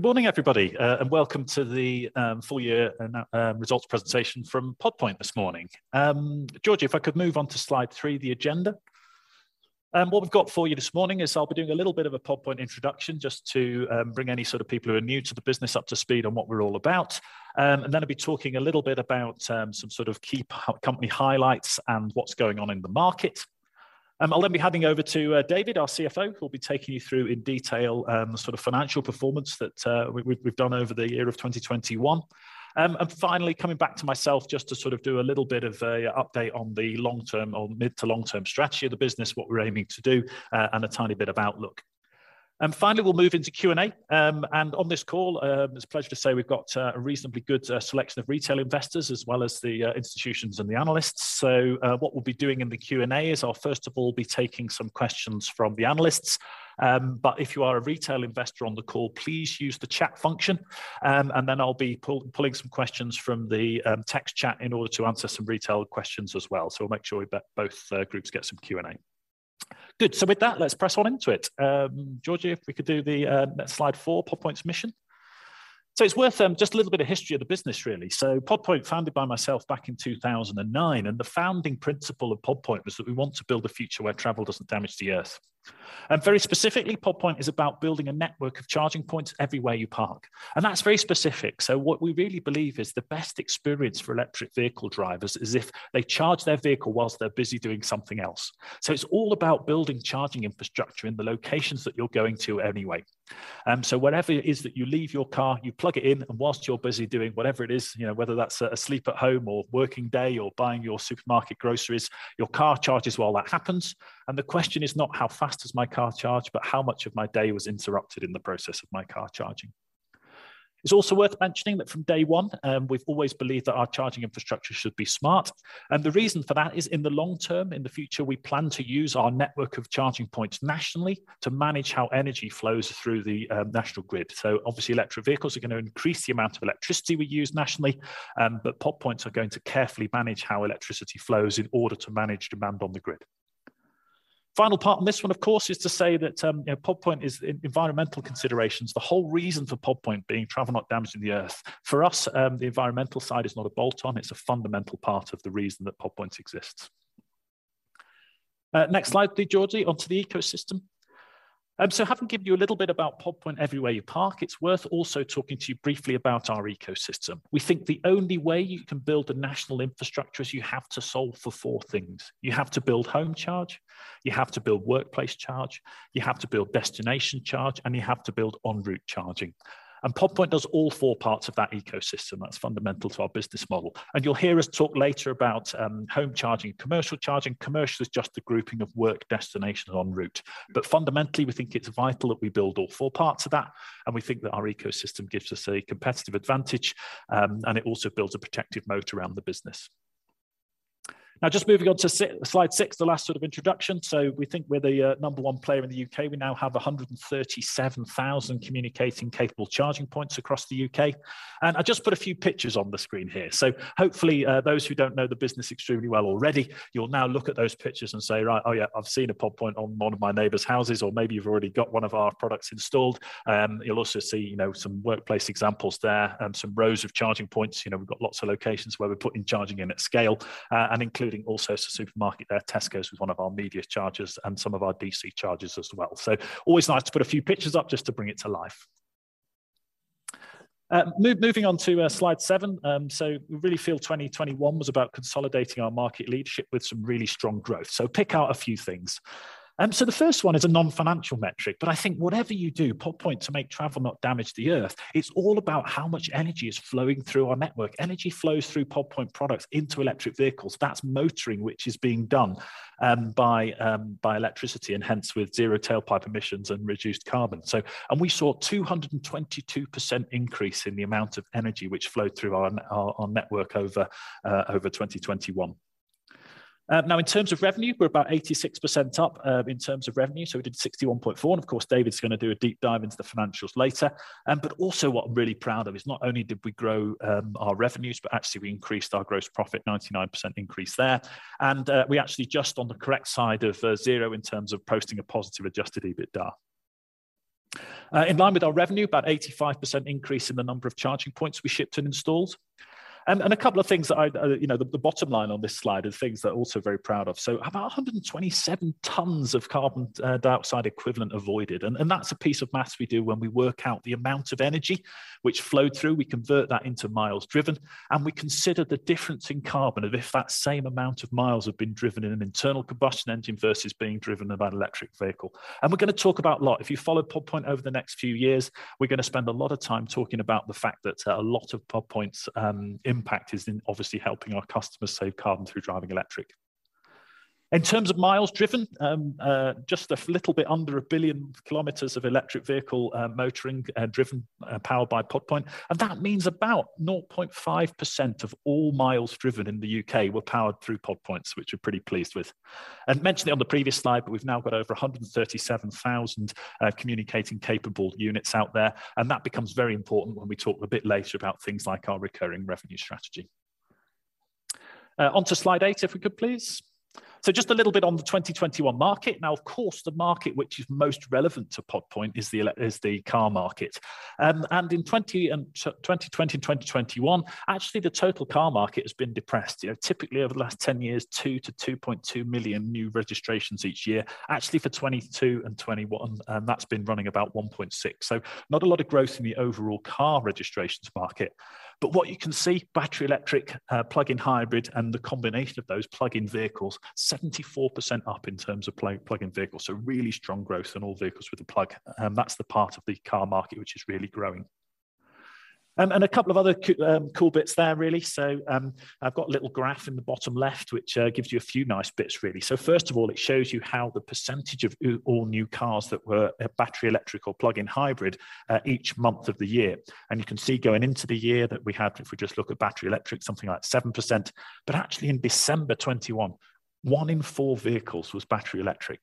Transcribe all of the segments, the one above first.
Good morning, everybody, and welcome to the full year results presentation from Pod Point this morning. Georgie, if I could move on to slide three, the agenda. What we've got for you this morning is I'll be doing a little bit of a Pod Point introduction just to bring any sort of people who are new to the business up to speed on what we're all about. Then I'll be talking a little bit about some sort of key company highlights and what's going on in the market. I'll then be handing over to David, our CFO, who'll be taking you through in detail the sort of financial performance that we've done over the year of 2021. Finally, coming back to myself just to sort of do a little bit of an update on the long-term or the mid- to long-term strategy of the business, what we're aiming to do, and a tiny bit of outlook. Finally, we'll move into Q&A. On this call, it's a pleasure to say we've got a reasonably good selection of retail investors as well as the institutions and the analysts. What we'll be doing in the Q&A is I'll first of all be taking some questions from the analysts. If you are a retail investor on the call, please use the chat function, and then I'll be pulling some questions from the text chat in order to answer some retail questions as well. We'll make sure we both groups get some Q&A. Good. With that, let's press on into it. Georgie, if we could do the slide four, Pod Point's mission. It's worth just a little bit of history of the business really. Pod Point founded by myself back in 2009, and the founding principle of Pod Point was that we want to build a future where travel doesn't damage the Earth. Very specifically, Pod Point is about building a network of charging points everywhere you park, and that's very specific. What we really believe is the best experience for electric vehicle drivers is if they charge their vehicle while they're busy doing something else. It's all about building charging infrastructure in the locations that you're going to anyway. Wherever it is that you leave your car, you plug it in, and while you're busy doing whatever it is, you know, whether that's asleep at home or working day or buying your supermarket groceries, your car charges while that happens. The question is not how fast does my car charge, but how much of my day was interrupted in the process of my car charging. It's also worth mentioning that from day one, we've always believed that our charging infrastructure should be smart. The reason for that is in the long term, in the future, we plan to use our network of charging points nationally to manage how energy flows through the National Grid. Obviously, electric vehicles are going to increase the amount of electricity we use nationally, but Pod Point are going to carefully manage how electricity flows in order to manage demand on the grid. Final part, and this one, of course, is to say that, you know, Pod Point is in environmental considerations, the whole reason for Pod Point being travel not damaging the Earth. For us, the environmental side is not a bolt-on, it's a fundamental part of the reason that Pod Point exists. Next slide, please, Georgie, onto the ecosystem. Having given you a little bit about Pod Point everywhere you park, it's worth also talking to you briefly about our ecosystem. We think the only way you can build a national infrastructure is you have to solve for four things. You have to build home charge, you have to build workplace charge, you have to build destination charge, and you have to build en route charging. Pod Point does all four parts of that ecosystem. That's fundamental to our business model. You'll hear us talk later about home charging and commercial charging. Commercial is just a grouping of work destination en route. Fundamentally, we think it's vital that we build all four parts of that, and we think that our ecosystem gives us a competitive advantage, and it also builds a protective moat around the business. Now just moving on to slide six, the last sort of introduction. We think we're the number one player in the U.K. We now have 137,000 communicating capable charging points across the U.K. I just put a few pictures on the screen here. Hopefully, those who don't know the business extremely well already, you'll now look at those pictures and say, "Right, oh yeah, I've seen a Pod Point on one of my neighbor's houses," or maybe you've already got one of our products installed. You'll also see, you know, some workplace examples there, some rows of charging points. You know, we've got lots of locations where we're putting charging in at scale, and including also supermarket there, Tesco with one of our Media Charger and some of our DC chargers as well. Always nice to put a few pictures up just to bring it to life. Moving on to slide seven. We really feel 2021 was about consolidating our market leadership with some really strong growth. Pick out a few things. The first one is a non-financial metric, but I think whatever you do, Pod Point to make travel not damage the Earth, it's all about how much energy is flowing through our network. Energy flows through Pod Point products into electric vehicles. That's motoring, which is being done by electricity, and hence with zero tailpipe emissions and reduced carbon. We saw 222% increase in the amount of energy which flowed through our network over 2021. Now in terms of revenue, we're about 86% up in terms of revenue. We did 61.4 million, and of course, David's gonna do a deep dive into the financials later. Also what I'm really proud of is not only did we grow our revenues, but actually we increased our gross profit, 99% increase there. We're actually just on the correct side of zero in terms of posting a positive adjusted EBITDA. In line with our revenue, about 85% increase in the number of charging points we shipped and installed. A couple of things that I you know the bottom line on this slide are things that I'm also very proud of. About 127 tons of carbon dioxide equivalent avoided, and that's a piece of math we do when we work out the amount of energy which flowed through. We convert that into miles driven, and we consider the difference in carbon of if that same amount of miles have been driven in an internal combustion engine versus being driven by an electric vehicle. We're gonna talk about a lot. If you follow Pod Point over the next few years, we're gonna spend a lot of time talking about the fact that, a lot of Pod Point's impact is in obviously helping our customers save carbon through driving electric. In terms of miles driven, just a little bit under 1 billion km of electric vehicle motoring driven powered by Pod Point, and that means about 0.5% of all miles driven in the U.K. were powered through Pod Point, which we're pretty pleased with. Mentioned it on the previous slide, but we've now got over 137,000 communicating capable units out there, and that becomes very important when we talk a bit later about things like our recurring revenue strategy. Onto slide eight if we could, please. So just a little bit on the 2021 market. Now of course, the market which is most relevant to Pod Point is the car market. In 2020 and 2021, actually the total car market has been depressed. You know, typically over the last 10 years, 2 million-2.2 million new registrations each year. Actually for 2022 and 2021, that's been running about 1.6 million. So not a lot of growth in the overall car registrations market. What you can see, battery electric, plug-in hybrid and the combination of those plug-in vehicles, 74% up in terms of plug-in vehicles. Really strong growth in all vehicles with a plug. That's the part of the car market which is really growing. A couple of other cool bits there really. I've got a little graph in the bottom left which gives you a few nice bits really. First of all it shows you how the percentage of all new cars that were battery electric or plug-in hybrid at each month of the year. You can see going into the year that we had, if we just look at battery electric, something like 7%. Actually in December 2021, one in four vehicles was battery electric.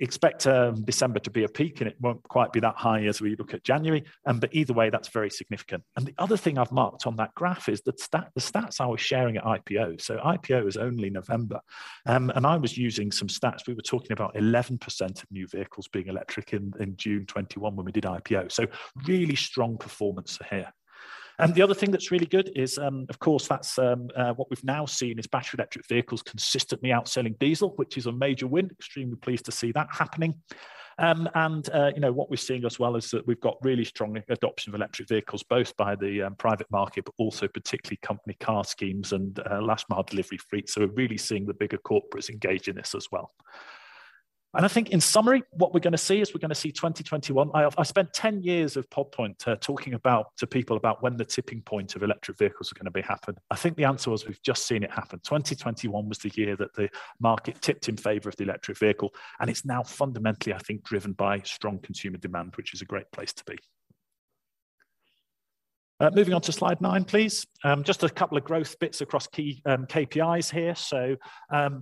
Expect December to be a peak and it won't quite be that high as we look at January, but either way that's very significant. The other thing I've marked on that graph is the stats I was sharing at IPO. IPO was only November, and I was using some stats. We were talking about 11% of new vehicles being electric in June 2021 when we did IPO. Really strong performance here. The other thing that's really good is, of course that's what we've now seen is battery electric vehicles consistently outselling diesel, which is a major win. Extremely pleased to see that happening. You know, what we're seeing as well is that we've got really strong adoption of electric vehicles, both by the private market, but also particularly company car schemes and last mile delivery fleets. We're really seeing the bigger corporates engage in this as well. I think in summary what we're gonna see is we're gonna see 2021. I spent 10 years of Pod Point talking about to people about when the tipping point of electric vehicles are gonna be happen. I think the answer was we've just seen it happen. 2021 was the year that the market tipped in favor of the electric vehicle, and it's now fundamentally, I think, driven by strong consumer demand, which is a great place to be. Moving on to slide nine, please. Just a couple of growth bits across key KPIs here.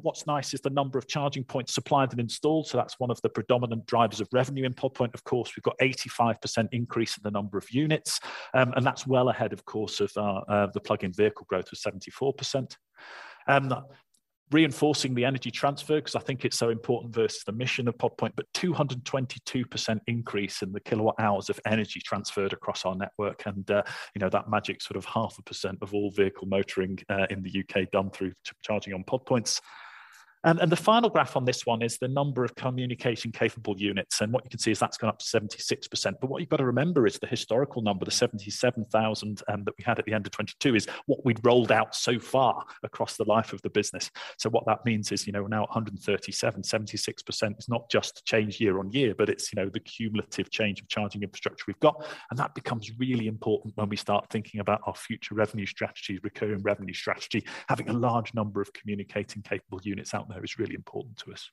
What's nice is the number of charging points supplied and installed, so that's one of the predominant drivers of revenue in Pod Point. Of course, we've got 85% increase in the number of units, and that's well ahead, of course, of the plug-in vehicle growth was 74%. Reinforcing the energy transfer, 'cause I think it's so important versus the mission of Pod Point, but 222% increase in the kilowatt hours of energy transferred across our network and, you know, that magic sort of half a percent of all vehicle motoring in the U.K. done through charging on Pod Points. The final graph on this one is the number of communication capable units, and what you can see is that's gone up to 76%. What you've got to remember is the historical number, the 77,000 that we had at the end of 2022 is what we'd rolled out so far across the life of the business. What that means is, you know, we're now 137,000. 76% is not just the change year-on-year, but it's, you know, the cumulative change of charging infrastructure we've got and that becomes really important when we start thinking about our future revenue strategy, recurring revenue strategy. Having a large number of communicating capable units out there is really important to us.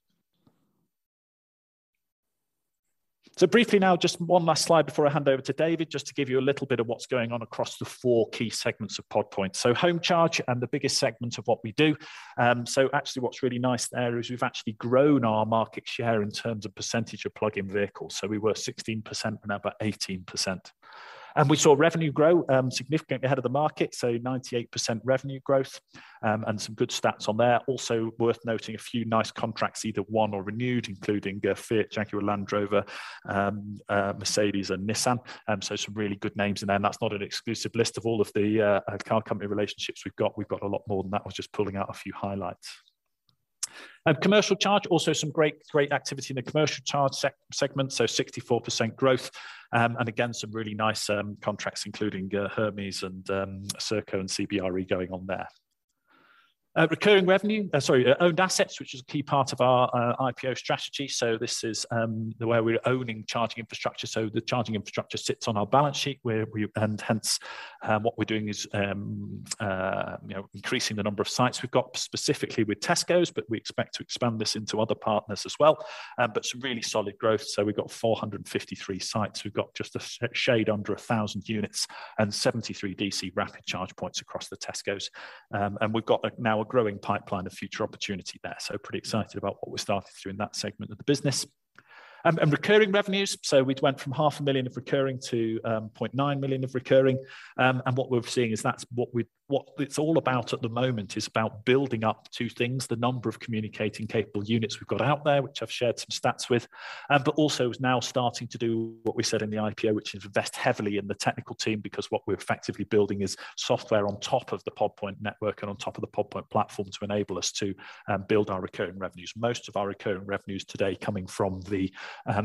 Briefly now, just one last slide before I hand over to David, just to give you a little bit of what's going on across the four key segments of Pod Point. Home charge and the biggest segment of what we do, actually what's really nice there is we've actually grown our market share in terms of percentage of plug-in vehicles. We were 16%, we're now about 18%. We saw revenue grow, significantly ahead of the market, 98% revenue growth, and some good stats on there. Also worth noting a few nice contracts either won or renewed, including Fiat, Jaguar Land Rover, Mercedes, and Nissan, so some really good names in there, and that's not an exclusive list of all of the car company relationships we've got. We've got a lot more than that. I was just pulling out a few highlights. Commercial charging, also some great activity in the commercial charging segment, 64% growth, and again, some really nice contracts including Hermes and Serco and CBRE going on there. Owned assets, which is a key part of our IPO strategy. This is the way we're owning charging infrastructure. The charging infrastructure sits on our balance sheet, and hence what we're doing is, you know, increasing the number of sites we've got specifically with Tesco; we expect to expand this into other partners as well. Some really solid growth, we've got 453 sites. We've got just a shade under 1,000 units and 73 DC rapid charge points across the Tescos. We've got now a growing pipeline of future opportunity there, so pretty excited about what we're starting to do in that segment of the business. Recurring revenues, so we'd went from 500,000 of recurring to 0.9 million of recurring. What we're seeing is that's what it's all about at the moment is about building up two things, the number of communicating capable units we've got out there, which I've shared some stats with, but also is now starting to do what we said in the IPO, which is invest heavily in the technical team, because what we're effectively building is software on top of the Pod Point network and on top of the Pod Point platform to enable us to build our recurring revenues. Most of our recurring revenues today coming from the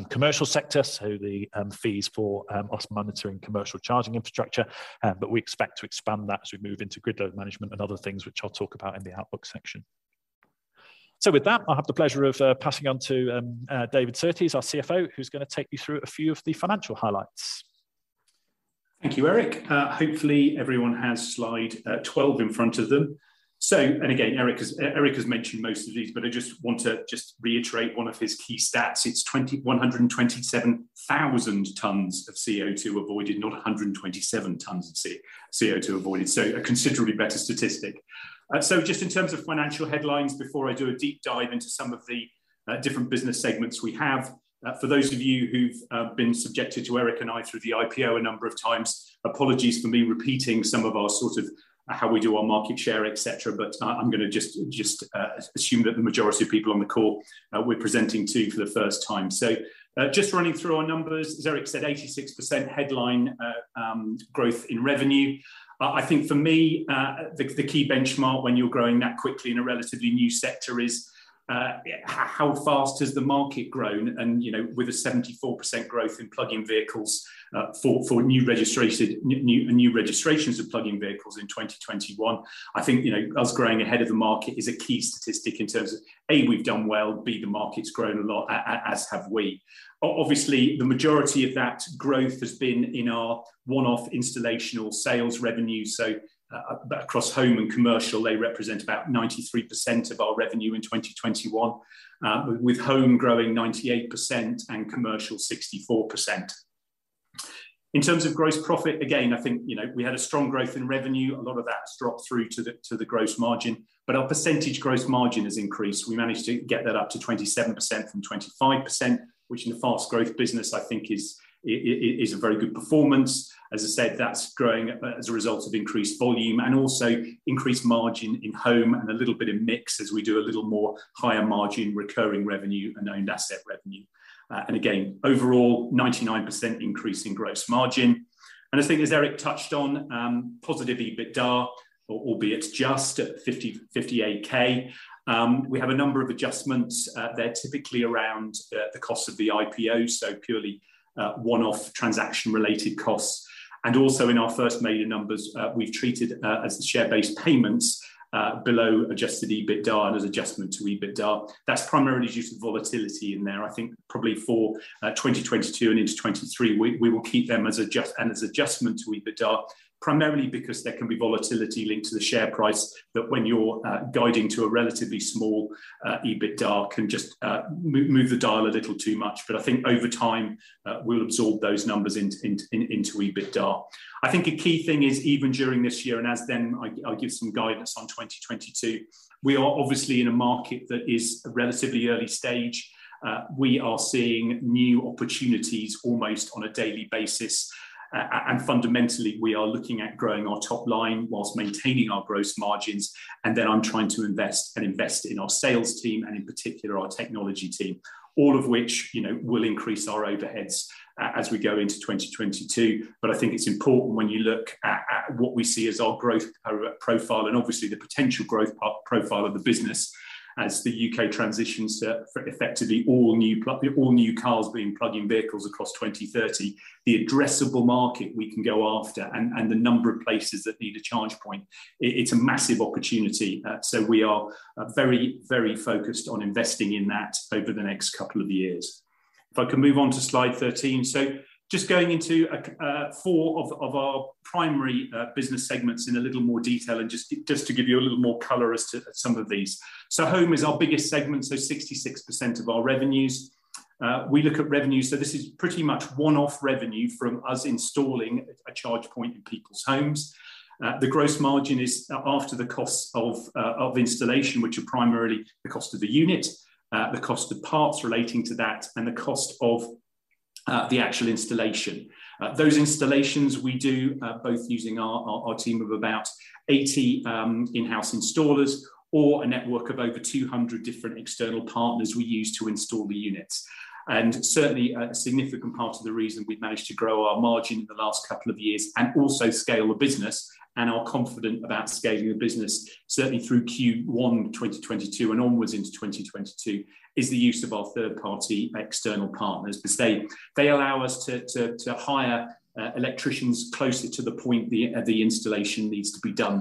commercial sector, so the fees for us monitoring commercial charging infrastructure, but we expect to expand that as we move into grid load management and other things which I'll talk about in the outlook section. With that, I have the pleasure of passing on to David Surtees, our CFO, who's gonna take you through a few of the financial highlights. Thank you, Erik. Hopefully everyone has slide 12 in front of them. Erik has mentioned most of these, but I just want to reiterate one of his key stats. It's 127,000 tons of CO2 avoided, not 127 tons of CO2 avoided. A considerably better statistic. Just in terms of financial headlines before I do a deep dive into some of the different business segments we have. For those of you who've been subjected to Erik and I through the IPO a number of times, apologies for me repeating some of our sort of how we do our market share, etc. I'm going to just assume that the majority of people on the call we're presenting to for the first time. Just running through our numbers, as Erik said, 86% headline growth in revenue. I think for me, the key benchmark when you're growing that quickly in a relatively new sector is, how fast has the market grown and, you know, with a 74% growth in plug-in vehicles, for new registrations of plug-in vehicles in 2021, I think, you know, us growing ahead of the market is a key statistic in terms of, A, we've done well, B, the market's grown a lot as have we. Obviously, the majority of that growth has been in our one-off installation sales revenue, so, across home and commercial, they represent about 93% of our revenue in 2021, with home growing 98% and commercial 64%. In terms of gross profit, again, I think, you know, we had a strong growth in revenue. A lot of that's dropped through to the gross margin, but our percentage gross margin has increased. We managed to get that up to 27% from 25%, which in a fast growth business I think is a very good performance. As I said, that's growing as a result of increased volume and also increased margin in home and a little bit of mix as we do a little more higher margin recurring revenue and owned asset revenue. Again, overall, 99% increase in gross margin. I think as Erik touched on, positive EBITDA, albeit just at 58,000. We have a number of adjustments, they're typically around the cost of the IPO, so purely one-off transaction related costs. Also in our first major numbers, we've treated as share based payments below adjusted EBITDA and as adjustment to EBITDA. That's primarily due to volatility in there. I think probably for 2022 and into 2023, we will keep them as adjustment to EBITDA, primarily because there can be volatility linked to the share price that when you're guiding to a relatively small EBITDA can just move the dial a little too much. I think over time, we'll absorb those numbers into EBITDA. I think a key thing is even during this year, and as then I give some guidance on 2022, we are obviously in a market that is relatively early stage. We are seeing new opportunities almost on a daily basis, and fundamentally, we are looking at growing our top line while maintaining our gross margins, and then I'm trying to invest in our sales team and in particular our technology team, all of which, you know, will increase our overheads as we go into 2022. I think it's important when you look at what we see as our growth profile and obviously the potential growth profile of the business as the U.K. transitions to effectively all new cars being plug-in vehicles by 2030. The addressable market we can go after and the number of places that need a charge point, it's a massive opportunity. We are very focused on investing in that over the next couple of years. If I can move on to slide 13. Just going into four of our primary business segments in a little more detail and just to give you a little more color as to some of these. Home is our biggest segment, 66% of our revenues. We look at revenues. This is pretty much one-off revenue from us installing a charge point in people's homes. The gross margin is after the costs of installation, which are primarily the cost of the unit, the cost of parts relating to that, and the cost of the actual installation. Those installations we do both using our team of about 80 in-house installers or a network of over 200 different external partners we use to install the units. Certainly a significant part of the reason we've managed to grow our margin in the last couple of years and also scale the business and are confident about scaling the business, certainly through Q1 2022 and onwards into 2022, is the use of our third-party external partners, because they allow us to hire electricians closer to the point the installation needs to be done.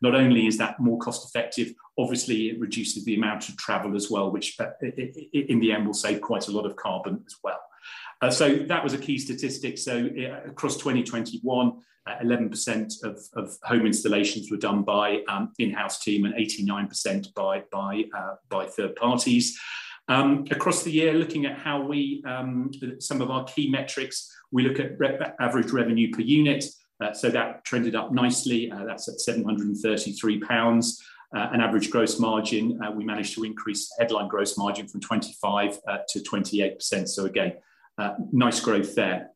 Not only is that more cost-effective, obviously it reduces the amount of travel as well, which in the end will save quite a lot of carbon as well. That was a key statistic. Across 2021, 11% of home installations were done by in-house team and 89% by third parties. Across the year, looking at how we some of our key metrics, we look at average revenue per unit, so that trended up nicely. That's at 733 pounds. And average gross margin, we managed to increase headline gross margin from 25%-28%. Again, nice growth there.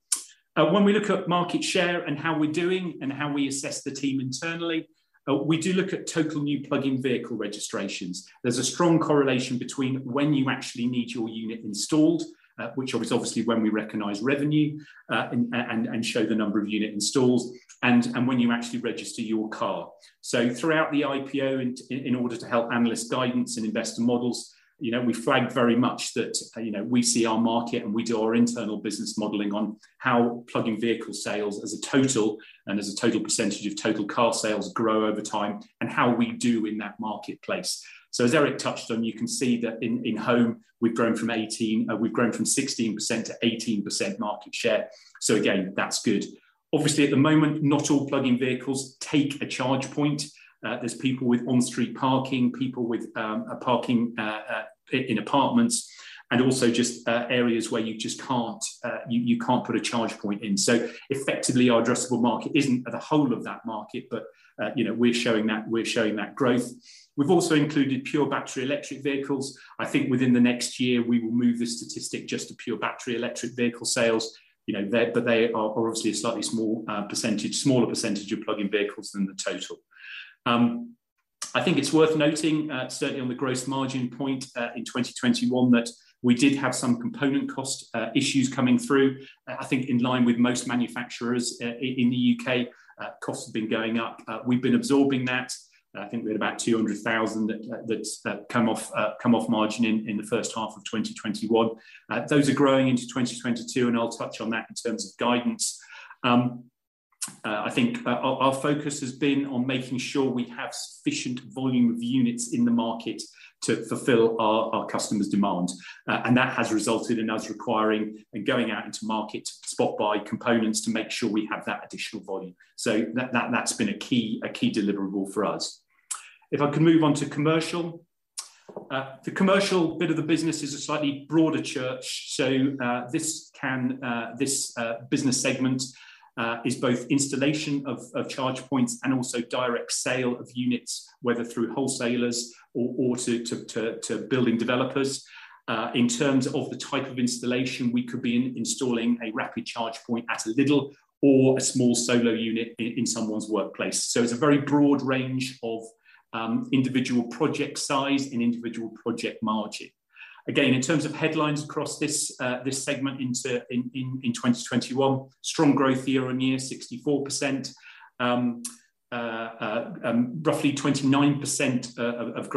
When we look at market share and how we're doing and how we assess the team internally, we do look at total new plug-in vehicle registrations. There's a strong correlation between when you actually need your unit installed, which is obviously when we recognize revenue, and show the number of unit installs, and when you actually register your car. Throughout the IPO, in order to help analyst guidance and investor models, you know, we flagged very much that we see our market and we do our internal business modeling on how plug-in vehicle sales as a total and as a total percentage of total car sales grow over time and how we do in that marketplace. As Erik touched on, you can see that in home, we've grown from 16% to 18% market share. Again, that's good. Obviously at the moment, not all plug-in vehicles take a charge point. There's people with on-street parking, people with parking in apartments and also just areas where you just can't put a charge point in. Effectively our addressable market isn't the whole of that market, but, you know, we're showing that growth. We've also included pure battery electric vehicles. I think within the next year we will move this statistic just to pure battery electric vehicle sales, but they are obviously a slightly smaller percentage of plug-in vehicles than the total. I think it's worth noting certainly on the gross margin point in 2021 that we did have some component cost issues coming through. I think in line with most manufacturers in the U.K., costs have been going up. We've been absorbing that. I think we had about 200,000 that come off margin in the first half of 2021. Those are growing into 2022, and I'll touch on that in terms of guidance. I think our focus has been on making sure we have sufficient volume of units in the market to fulfill our customers' demand. That has resulted in us requiring and going out into the market to spot buy components to make sure we have that additional volume. That's been a key deliverable for us. If I can move on to Commercial. The Commercial bit of the business is a slightly broader church. This business segment is both installation of charge points and also direct sale of units, whether through wholesalers or to building developers. In terms of the type of installation, we could be installing a rapid charge point at Lidl or a small solo unit in someone's workplace. It's a very broad range of individual project size and individual project margin. Again, in terms of headlines across this segment in 2021, strong growth year-on-year, 64%. Roughly 29% of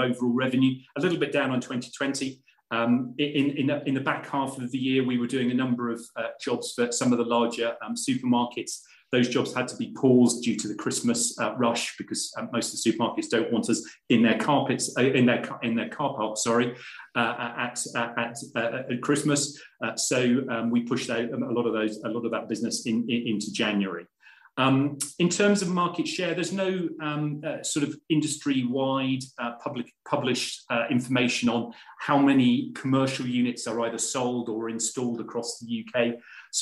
overall revenue. A little bit down on 2020. In the back half of the year, we were doing a number of jobs for some of the larger supermarkets. Those jobs had to be paused due to the Christmas rush, because most of the supermarkets don't want us in their car parks, sorry, at Christmas. We pushed out a lot of those, a lot of that business into January. In terms of market share, there's no sort of industry-wide public, published information on how many commercial units are either sold or installed across the U.K.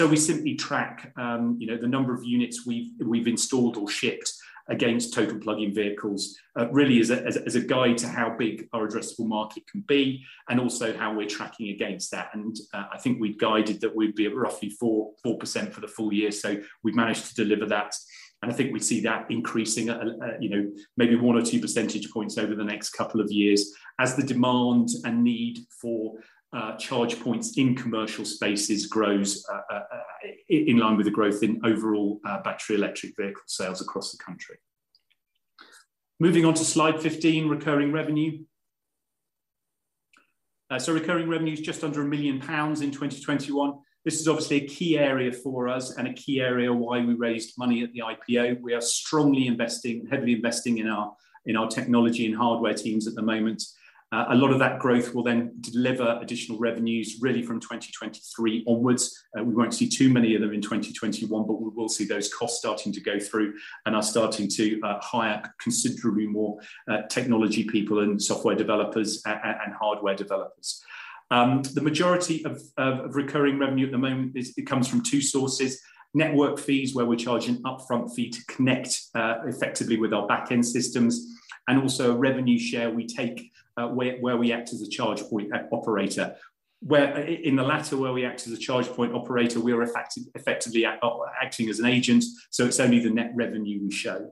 We simply track, you know, the number of units we've installed or shipped against total plug-in vehicles really as a guide to how big our addressable market can be and also how we're tracking against that. I think we'd guided that we'd be at roughly 4% for the full year. We've managed to deliver that, and I think we see that increasing at, you know, maybe one or two percentage points over the next couple of years as the demand and need for charge points in commercial spaces grows in line with the growth in overall battery electric vehicle sales across the country. Moving on to slide 15, recurring revenue. Recurring revenue is just under 1 million pounds in 2021. This is obviously a key area for us and a key area why we raised money at the IPO. We are strongly investing, heavily investing in our technology and hardware teams at the moment. A lot of that growth will then deliver additional revenues really from 2023 onwards. We won't see too many of them in 2021, but we will see those costs starting to go through and are starting to hire considerably more technology people and software developers and hardware developers. The majority of recurring revenue at the moment is. It comes from two sources: network fees, where we charge an upfront fee to connect effectively with our back-end systems, and also a revenue share we take where we act as a charge point operator. In the latter, where we act as a charge point operator, we are effectively acting as an agent, so it's only the net revenue we show.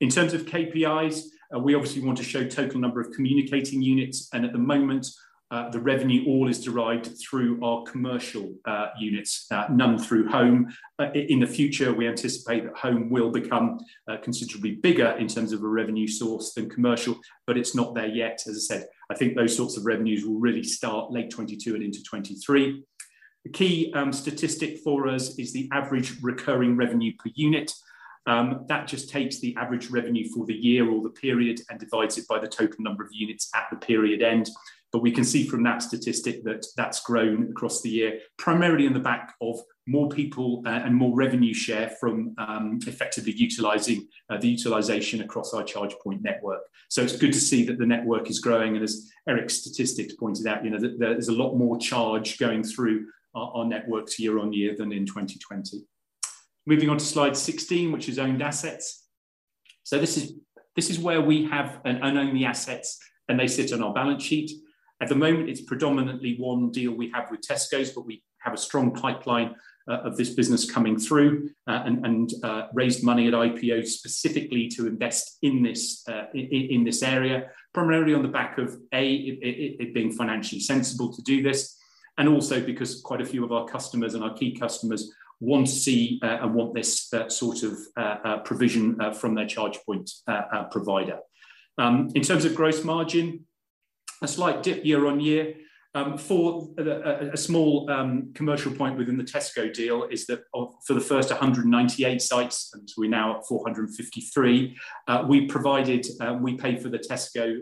In terms of KPIs, we obviously want to show total number of communicating units and at the moment, all the revenue is derived through our commercial units, none through home. In the future, we anticipate that home will become considerably bigger in terms of a revenue source than commercial, but it's not there yet. As I said, I think those sorts of revenues will really start late 2022 and into 2023. The key statistic for us is the average recurring revenue per unit. That just takes the average revenue for the year or the period and divides it by the total number of units at the period end. We can see from that statistic that that's grown across the year, primarily on the back of more people and more revenue share from effectively utilizing the utilization across our charge point network. It's good to see that the network is growing, and as Erik's statistics pointed out, you know, there's a lot more charge going through our networks year-on-year than in 2020. Moving on to slide 16, which is owned assets. This is where we have and own the assets, and they sit on our balance sheet. At the moment, it's predominantly one deal we have with Tesco, but we have a strong pipeline of this business coming through, and raised money at IPO specifically to invest in this, in this area, primarily on the back of it being financially sensible to do this, and also because quite a few of our customers and our key customers want to see and want this sort of provision from their charge point provider. In terms of gross margin, a slight dip year-on-year. For a small commercial point within the Tesco deal is that for the first 198 sites, and we're now at 453, we paid for the Tesco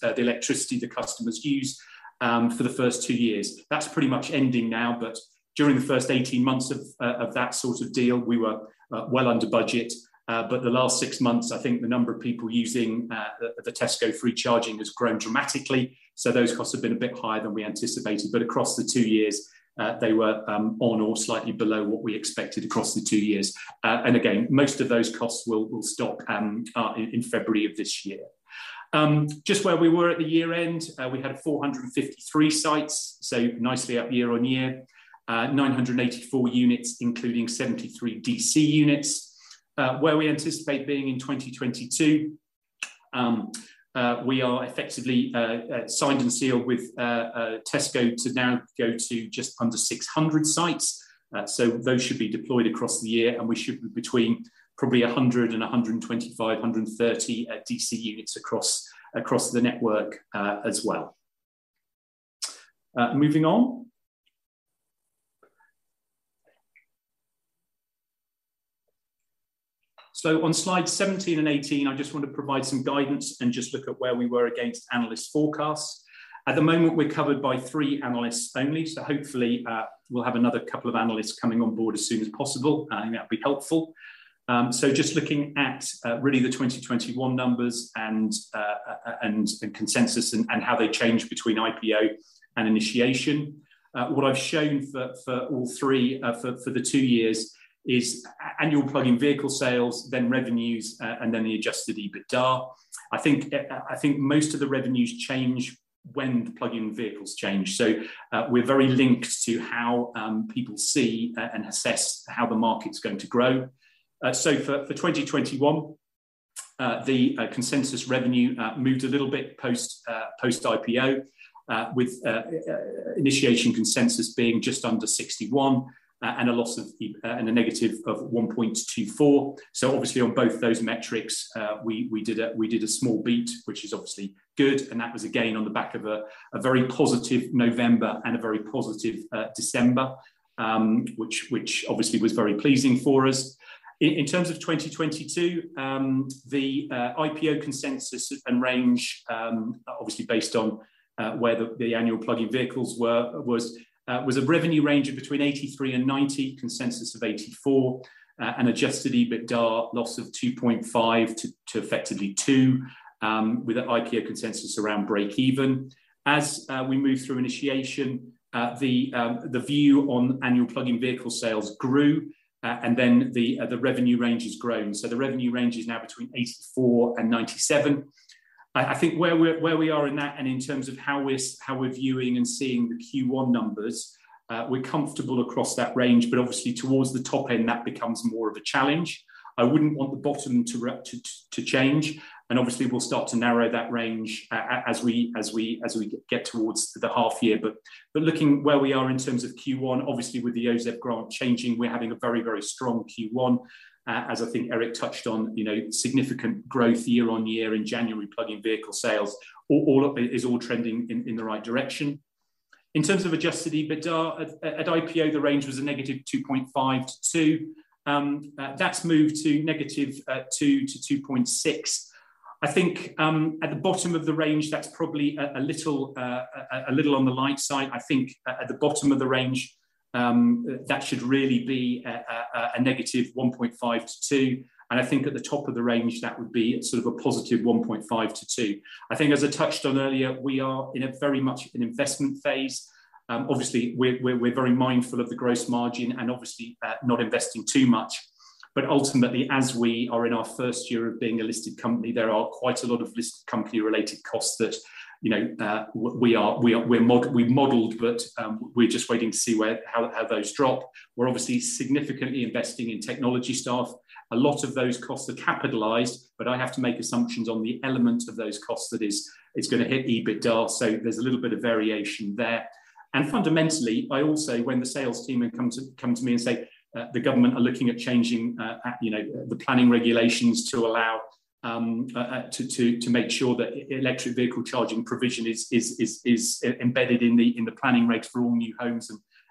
the electricity the customers used for the first 2 years. That's pretty much ending now. During the first 18 months of that sort of deal, we were well under budget. The last 6 months, I think the number of people using the Tesco free charging has grown dramatically, so those costs have been a bit higher than we anticipated. Across the 2 years, they were on or slightly below what we expected across the 2 years. Again, most of those costs will stop in February of this year. Just where we were at the year end, we had 453 sites, so nicely up year-on-year. 984 units, including 73 DC units. Where we anticipate being in 2022, we are effectively signed and sealed with Tesco to now go to just under 600 sites. Those should be deployed across the year, and we should be between probably 100 and 125-130 DC units across the network as well. Moving on. On slide 17 and 18, I just want to provide some guidance and just look at where we were against analyst forecasts. At the moment, we're covered by three analysts only, so hopefully we'll have another couple of analysts coming on board as soon as possible. I think that'll be helpful. Just looking at really the 2021 numbers and consensus and how they change between IPO and initiation. What I've shown for all three for the two years is annual plug-in vehicle sales, then revenues, and then the adjusted EBITDA. I think most of the revenues change when the plug-in vehicles change. We're very linked to how people see and assess how the market's going to grow. For 2021, the consensus revenue moved a little bit post-IPO, with initiation consensus being just under 61 million and a loss of -1.24 million. Obviously, on both those metrics, we did a small beat, which is obviously good, and that was again on the back of a very positive November and a very positive December, which obviously was very pleasing for us. In terms of 2022, the IPO consensus and range, obviously based on where the annual plug-in vehicle sales was, a revenue range of between 83 million-90 million, consensus of 84 million, an adjusted EBITDA loss of 2.5 million to effectively 2 million, with an IPO consensus around breakeven. As we move through initiation, the view on annual plug-in vehicle sales grew, and then the revenue range has grown. The revenue range is now between 84 million-97 million. I think where we are in that and in terms of how we're viewing and seeing the Q1 numbers, we're comfortable across that range, but obviously towards the top end, that becomes more of a challenge. I wouldn't want the bottom to change, and obviously we'll start to narrow that range as we get towards the half year. Looking where we are in terms of Q1, obviously with the OZEV Grant changing, we're having a very, very strong Q1. As I think Erik touched on, you know, significant growth year-over-year in January plug-in vehicle sales, all of it is trending in the right direction. In terms of adjusted EBITDA, at IPO, the range was -2.5 million to 2 million. That's moved to -2% to 2.6%. I think at the bottom of the range, that's probably a little on the light side. I think at the bottom of the range, that should really be a -1.5% to 2%, and I think at the top of the range, that would be sort of a 1.5% to 2%. I think as I touched on earlier, we are in a very much an investment phase. Obviously we're very mindful of the gross margin and obviously not investing too much. Ultimately, as we are in our first year of being a listed company, there are quite a lot of listed company related costs that, you know, we've modeled, but we're just waiting to see how those drop. We're obviously significantly investing in technology staff. A lot of those costs are capitalized, but I have to make assumptions on the elements of those costs that is gonna hit EBITDA, so there's a little bit of variation there. Fundamentally, I also, when the sales team have come to me and say, the government are looking at changing, you know, the planning regulations to allow, to make sure that electric vehicle charging provision is embedded in the planning regs for all new homes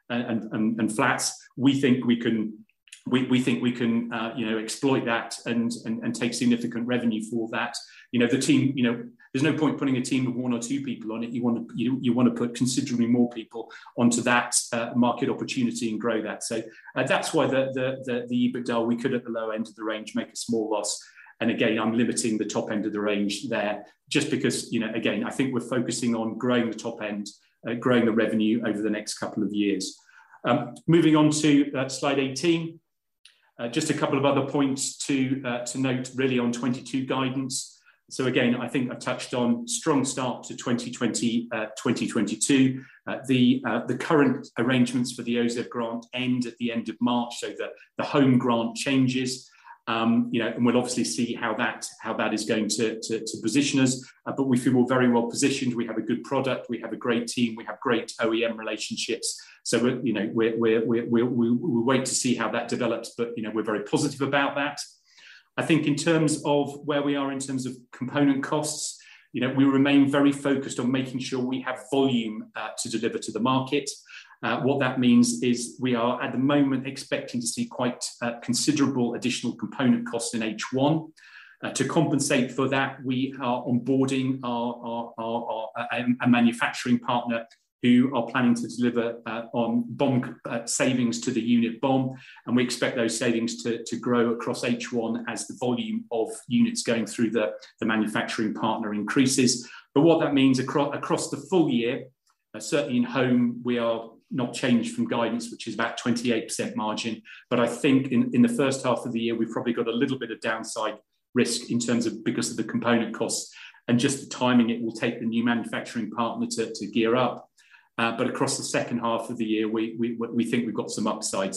and flats, we think we can, you know, exploit that and take significant revenue for that. You know, the team, you know. There's no point putting a team of one or two people on it. You wanna put considerably more people onto that market opportunity and grow that. That's why the EBITDA, we could at the low end of the range make a small loss. I'm limiting the top end of the range there just because, you know, again, I think we're focusing on growing the top end, growing the revenue over the next couple of years. Moving on to slide 18. Just a couple of other points to note really on 2022 guidance. I think I've touched on strong start to 2022. The current arrangements for the OZEV Grant end at the end of March, so the home grant changes, you know, and we'll obviously see how that is going to position us. But we feel we're very well positioned. We have a good product. We have a great team. We have great OEM relationships. We wait to see how that develops, you know, but we're very positive about that. I think in terms of where we are in terms of component costs, you know, we remain very focused on making sure we have volume to deliver to the market. What that means is we are at the moment expecting to see quite considerable additional component costs in H1. To compensate for that, we are onboarding our a manufacturing partner who are planning to deliver on BOM savings to the unit BOM, and we expect those savings to grow across H1 as the volume of units going through the manufacturing partner increases. What that means across the full year, certainly in home, we have not changed from guidance, which is about 28% margin. I think in the first half of the year, we've probably got a little bit of downside risk in terms of because of the component costs and just the timing it will take the new manufacturing partner to gear up. Across the second half of the year, we think we've got some upside.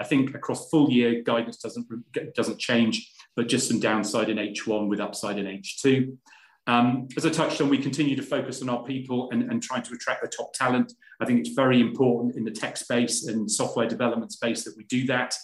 I think across full year, guidance doesn't change, but just some downside in H1 with upside in H2. As I touched on, we continue to focus on our people and trying to attract the top talent. I think it's very important in the tech space and software development space that we do that.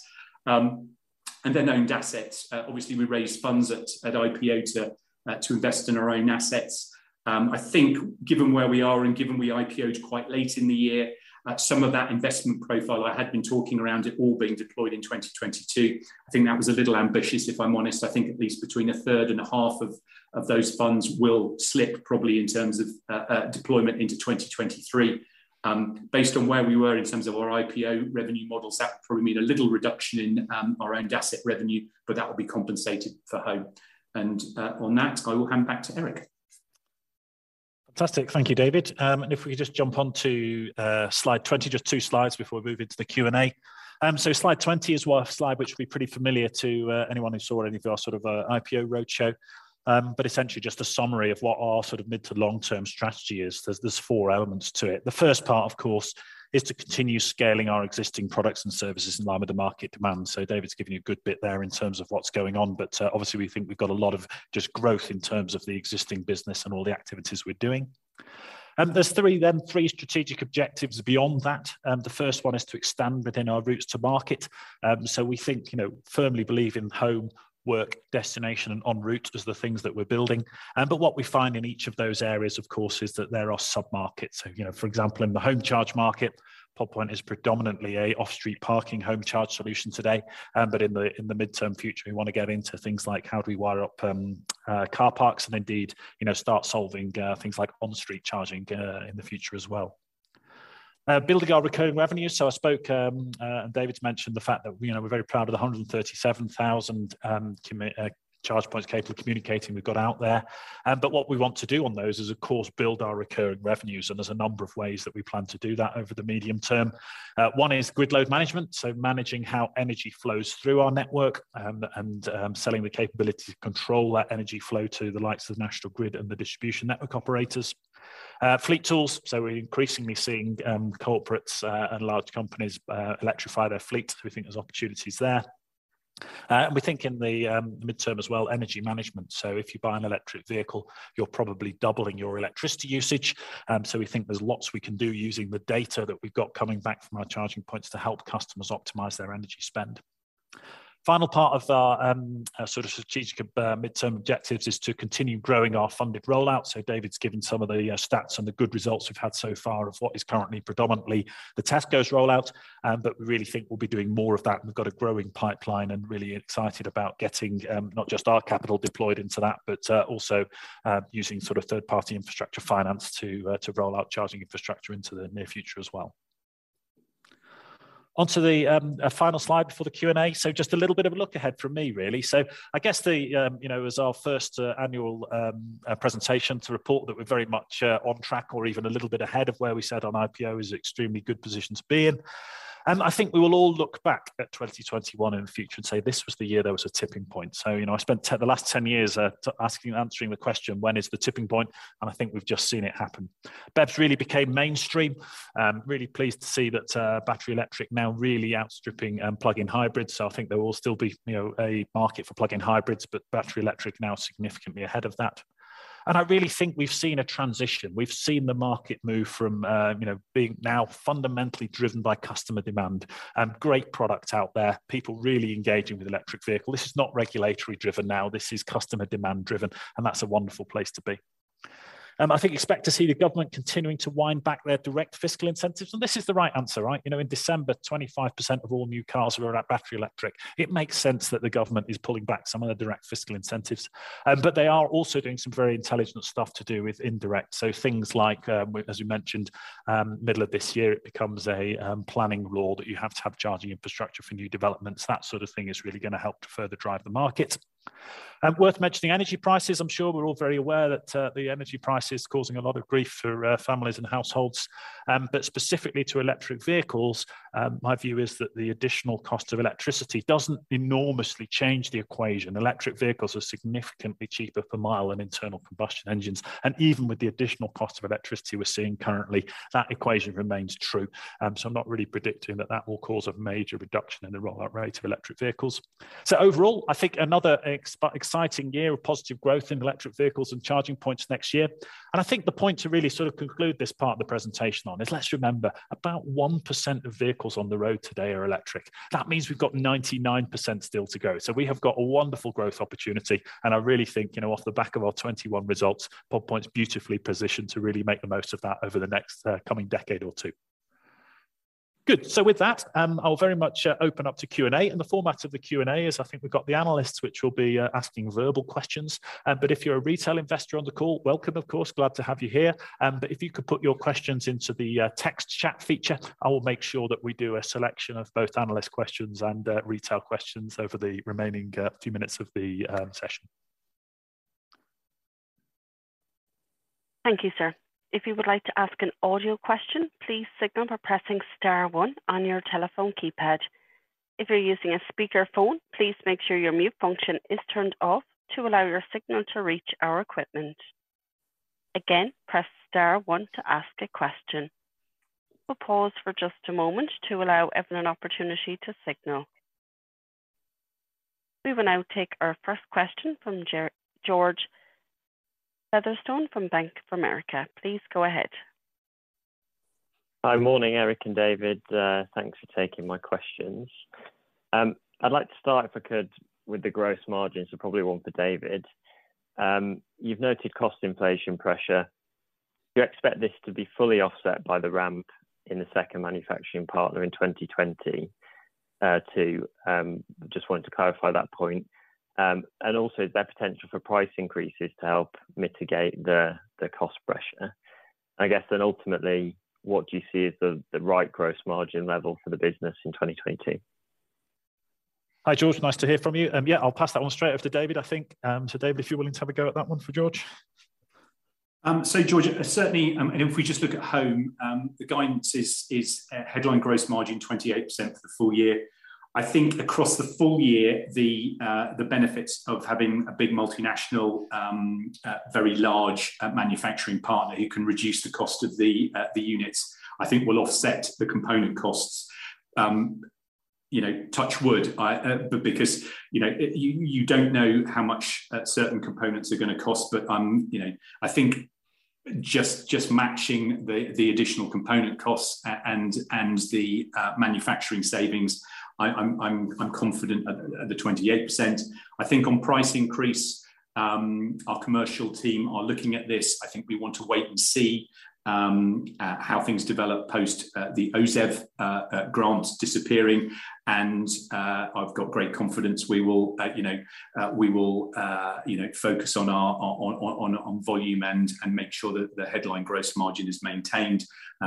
Owned assets. Obviously we raised funds at IPO to invest in our own assets. I think given where we are and given we IPO'd quite late in the year, some of that investment profile I had been talking around it all being deployed in 2022, I think that was a little ambitious, if I'm honest. I think at least between a third and a half of those funds will slip probably in terms of deployment into 2023. Based on where we were in terms of our IPO revenue models, that would probably mean a little reduction in our own asset revenue, but that will be compensated for home. On that, I will hand back to Erik. Fantastic. Thank you, David. If we could just jump onto slide 20, just two slides before we move into the Q&A. Slide 20 is one slide which will be pretty familiar to anyone who saw any of our sort of IPO roadshow. Essentially just a summary of what our sort of mid- to long-term strategy is. There's four elements to it. The first part, of course, is to continue scaling our existing products and services in line with the market demand. David's given you a good bit there in terms of what's going on. Obviously we think we've got a lot of just growth in terms of the existing business and all the activities we're doing. There's three, then three strategic objectives beyond that. The first one is to expand within our routes to market. We think, you know, firmly believe in home, work, destination, and en route as the things that we're building. What we find in each of those areas, of course, is that there are submarkets. You know, for example, in the home charge market, Pod Point is predominantly an off-street parking home charge solution today. In the midterm future, we want to get into things like how do we wire up car parks and indeed, you know, start solving things like on-street charging in the future as well, building our recurring revenue. I spoke and David's mentioned the fact that, you know, we're very proud of the 137,000 charge points capable of communicating we've got out there. But what we want to do on those is of course build our recurring revenues, and there's a number of ways that we plan to do that over the medium term. One is grid load management, so managing how energy flows through our network and selling the capability to control that energy flow to the likes of National Grid and the distribution network operators. Fleet tools, so we're increasingly seeing corporates and large companies electrify their fleets. We think there's opportunities there. And we think in the midterm as well, energy management. If you buy an electric vehicle, you're probably doubling your electricity usage. We think there's lots we can do using the data that we've got coming back from our charging points to help customers optimize their energy spend. Final part of our sort of strategic midterm objectives is to continue growing our funded rollout. David's given some of the stats on the good results we've had so far of what is currently predominantly the Tesco rollout. But we really think we'll be doing more of that, and we've got a growing pipeline and really excited about getting not just our capital deployed into that, but also using sort of third-party infrastructure finance to roll out charging infrastructure into the near future as well. On to the final slide before the Q&A. Just a little bit of a look ahead from me, really. I guess the, you know, as our first, annual, presentation to report that we're very much, on track or even a little bit ahead of where we said on IPO is an extremely good position to be in. I think we will all look back at 2021 in the future and say, "This was the year there was a tipping point." You know, I spent the last 10 years, asking, answering the question, when is the tipping point? I think we've just seen it happen. BEVs really became mainstream. Really pleased to see that, battery electric now really outstripping, plug-in hybrids. I think there will still be, you know, a market for plug-in hybrids, but battery electric now significantly ahead of that. I really think we've seen a transition. We've seen the market move from, you know, being now fundamentally driven by customer demand. Great product out there, people really engaging with electric vehicle. This is not regulatory driven now, this is customer demand driven, and that's a wonderful place to be. I think expect to see the government continuing to wind back their direct fiscal incentives, and this is the right answer, right? You know, in December, 25% of all new cars were battery electric. It makes sense that the government is pulling back some of the direct fiscal incentives. But they are also doing some very intelligent stuff to do with indirect. So things like, as we mentioned, middle of this year, it becomes a planning law that you have to have charging infrastructure for new developments. That sort of thing is really gonna help to further drive the market. Worth mentioning energy prices. I'm sure we're all very aware that the energy price is causing a lot of grief for families and households. Specifically to electric vehicles, my view is that the additional cost of electricity doesn't enormously change the equation. Electric vehicles are significantly cheaper per mile than internal combustion engines, and even with the additional cost of electricity we're seeing currently, that equation remains true. I'm not really predicting that will cause a major reduction in the rollout rate of electric vehicles. Overall, I think another exciting year of positive growth in electric vehicles and charging points next year. I think the point to really sort of conclude this part of the presentation on is let's remember, about 1% of vehicles on the road today are electric. That means we've got 99% still to go. We have got a wonderful growth opportunity, and I really think, you know, off the back of our 2021 results, Pod Point's beautifully positioned to really make the most of that over the next coming decade or two. Good. With that, I'll very much open up to Q&A. The format of the Q&A is I think we've got the analysts, which will be asking verbal questions. But if you're a retail investor on the call, welcome, of course, glad to have you here. If you could put your questions into the text chat feature, I will make sure that we do a selection of both analyst questions and retail questions over the remaining few minutes of the session. Thank you, sir. If you would like to ask an audio question, please signal by pressing star one on your telephone keypad. If you're using a speakerphone, please make sure your mute function is turned off to allow your signal to reach our equipment. Again, press star one to ask a question. We'll pause for just a moment to allow everyone an opportunity to signal. We will now take our first question from George Featherstone from Bank of America. Please go ahead. Hi. Morning, Erik and David. Thanks for taking my questions. I'd like to start, if I could, with the gross margins. Probably one for David. You've noted cost inflation pressure. Do you expect this to be fully offset by the ramp in the second manufacturing partner in 2022? Just wanted to clarify that point. Also is there potential for price increases to help mitigate the cost pressure? I guess then ultimately, what do you see as the right gross margin level for the business in 2020? Hi, George. Nice to hear from you. Yeah, I'll pass that one straight over to David, I think. David, if you're willing to have a go at that one for George. George, certainly, and if we just look at home, the guidance is a headline gross margin 28% for the full year. I think across the full year, the benefits of having a big multinational, very large, manufacturing partner who can reduce the cost of the units, I think will offset the component costs. You know, touch wood, but because, you know, you don't know how much certain components are gonna cost, but you know, I think just matching the additional component costs and the manufacturing savings, I'm confident at the 28%. I think on price increase, our commercial team are looking at this. I think we want to wait and see how things develop post the OZEV Grant disappearing and I've got great confidence we will, you know, focus on our volume and make sure that the headline gross margin is maintained.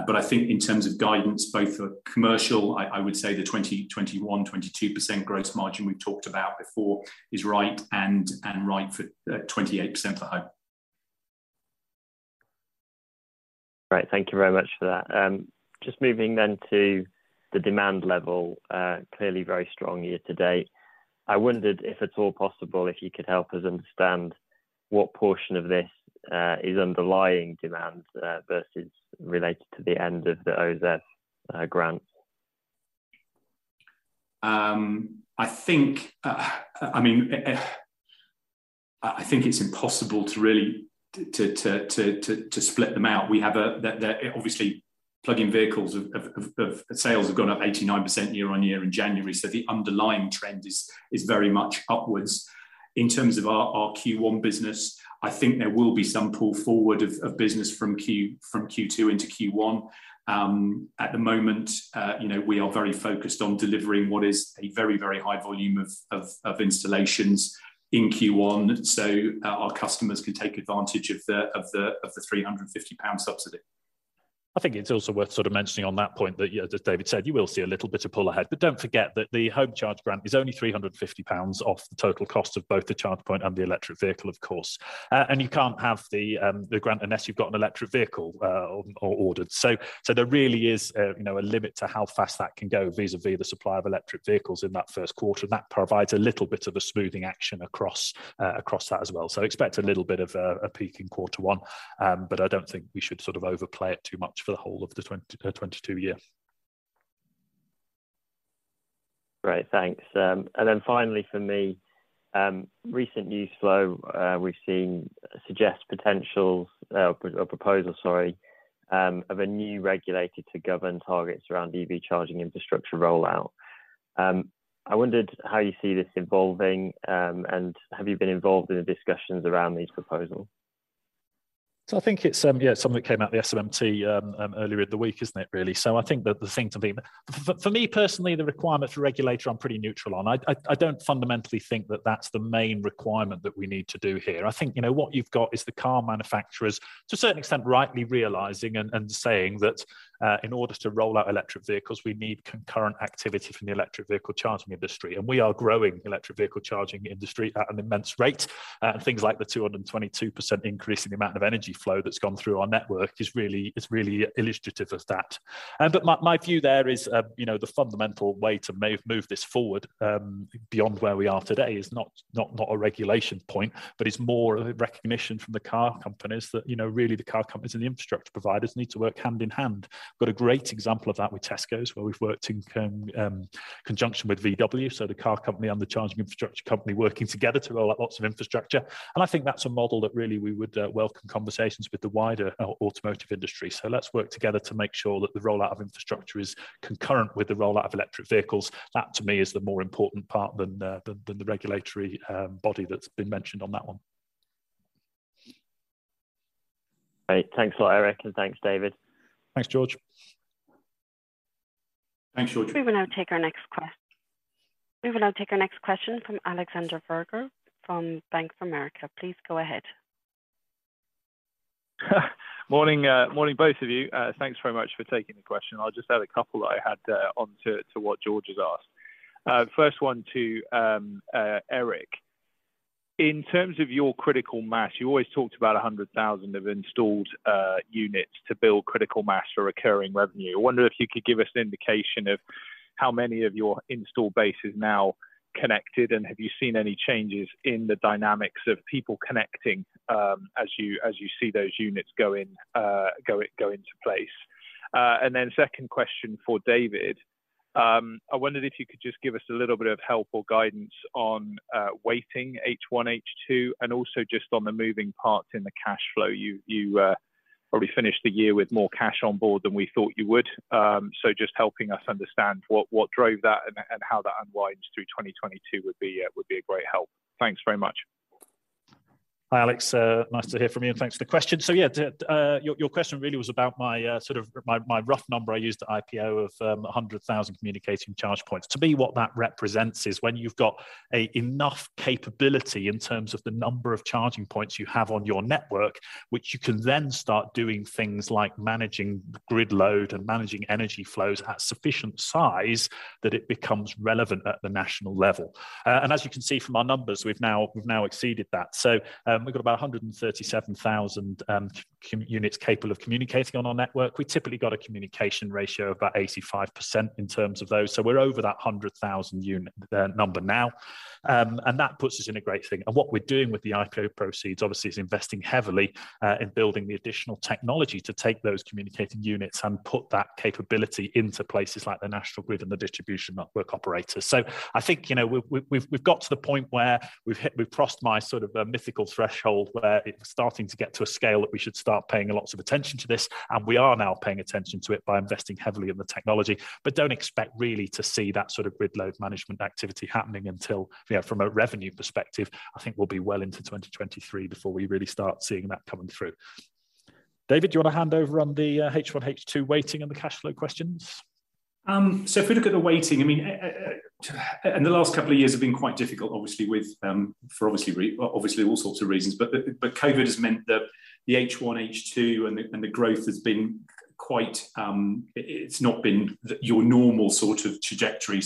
But I think in terms of guidance both for commercial, I would say the 20%-22% gross margin we've talked about before is right and right for 28% for home. Great. Thank you very much for that. Just moving to the demand level, clearly very strong year to date. I wondered if at all possible, if you could help us understand what portion of this is underlying demand versus related to the end of the OZEV Grant? I think, I mean, it's impossible to really split them out. Obviously, plug-in vehicle sales have gone up 89% year-on-year in January, so the underlying trend is very much upwards. In terms of our Q1 business, I think there will be some pull forward of business from Q2 into Q1. At the moment, you know, we are very focused on delivering what is a very high volume of installations in Q1, so our customers can take advantage of the 350 pound subsidy. I think it's also worth sort of mentioning on that point that, you know, as David said, you will see a little bit of pull ahead, but don't forget that the home charge grant is only 350 pounds off the total cost of both the charge point and the electric vehicle, of course. And you can't have the grant unless you've got an electric vehicle, or ordered. There really is a, you know, a limit to how fast that can go vis-à-vis the supply of electric vehicles in that first quarter. That provides a little bit of a smoothing action across that as well. Expect a little bit of a peak in quarter one, but I don't think we should sort of overplay it too much for the whole of the 2022 year. Great. Thanks. Finally for me, recent news flow we've seen suggests proposal of a new regulator to govern targets around EV charging infrastructure rollout. I wondered how you see this evolving, and have you been involved in the discussions around these proposals? I think it's, yeah, something that came out the SMMT earlier in the week, isn't it really? I think for me personally, the requirement for regulator, I'm pretty neutral on. I don't fundamentally think that that's the main requirement that we need to do here. I think, you know, what you've got is the car manufacturers to a certain extent rightly realizing and saying that, in order to roll out electric vehicles, we need concurrent activity from the electric vehicle charging industry, and we are growing electric vehicle charging industry at an immense rate. Things like the 222% increase in the amount of energy flow that's gone through our network is really illustrative of that. My view there is, you know, the fundamental way to move this forward, beyond where we are today is not a regulation point, but it's more a recognition from the car companies that, you know, really the car companies and the infrastructure providers need to work hand-in-hand. Got a great example of that with Tesco, where we've worked in conjunction with VW, so the car company and the charging infrastructure company working together to roll out lots of infrastructure. I think that's a model that really we would welcome conversations with the wider automotive industry. Let's work together to make sure that the rollout of infrastructure is concurrent with the rollout of electric vehicles. That to me is the more important part than the regulatory body that's been mentioned on that one. Great. Thanks a lot, Erik, and thanks David. Thanks, George. Thanks, George. We will now take our next question from Alexander Vrabel from Bank of America. Please go ahead. Morning, both of you. Thanks very much for taking the question. I'll just add a couple that I had onto what George has asked. First one to Erik. In terms of your critical mass, you always talked about 100,000 installed units to build critical mass for recurring revenue. I wonder if you could give us an indication of how many of your installed base is now connected, and have you seen any changes in the dynamics of people connecting as you see those units go into place? Second question for David. I wondered if you could just give us a little bit of help or guidance on weighting H1, H2, and also just on the moving parts in the cash flow. You probably finished the year with more cash on board than we thought you would. Just helping us understand what drove that and how that unwinds through 2022 would be a great help. Thanks very much. Hi, Alex. Nice to hear from you, and thanks for the question. Yeah, your question really was about sort of my rough number I used at IPO of 100,000 communicating charge points. To me, what that represents is when you've got enough capability in terms of the number of charging points you have on your network, which you can then start doing things like managing grid load and managing energy flows at sufficient size that it becomes relevant at the national level. As you can see from our numbers, we've now exceeded that. We've got about 137,000 units capable of communicating on our network. We typically got a communication ratio of about 85% in terms of those. We're over that 100,000 unit number now. That puts us in a great thing. What we're doing with the IPO proceeds obviously is investing heavily in building the additional technology to take those communicating units and put that capability into places like the National Grid and the distribution network operators. I think, you know, we've got to the point where we've crossed my sort of mythical threshold where it's starting to get to a scale that we should start paying lots of attention to this, and we are now paying attention to it by investing heavily in the technology. Don't expect really to see that sort of grid load management activity happening until, you know, from a revenue perspective, I think we'll be well into 2023 before we really start seeing that coming through. David, do you want to hand over on the H1, H2 weighting and the cash flow questions? If we look at the weighting, I mean, the last couple of years have been quite difficult, obviously, with all sorts of reasons, but COVID has meant that the H1, H2 and the growth has not been the usual sort of trajectory.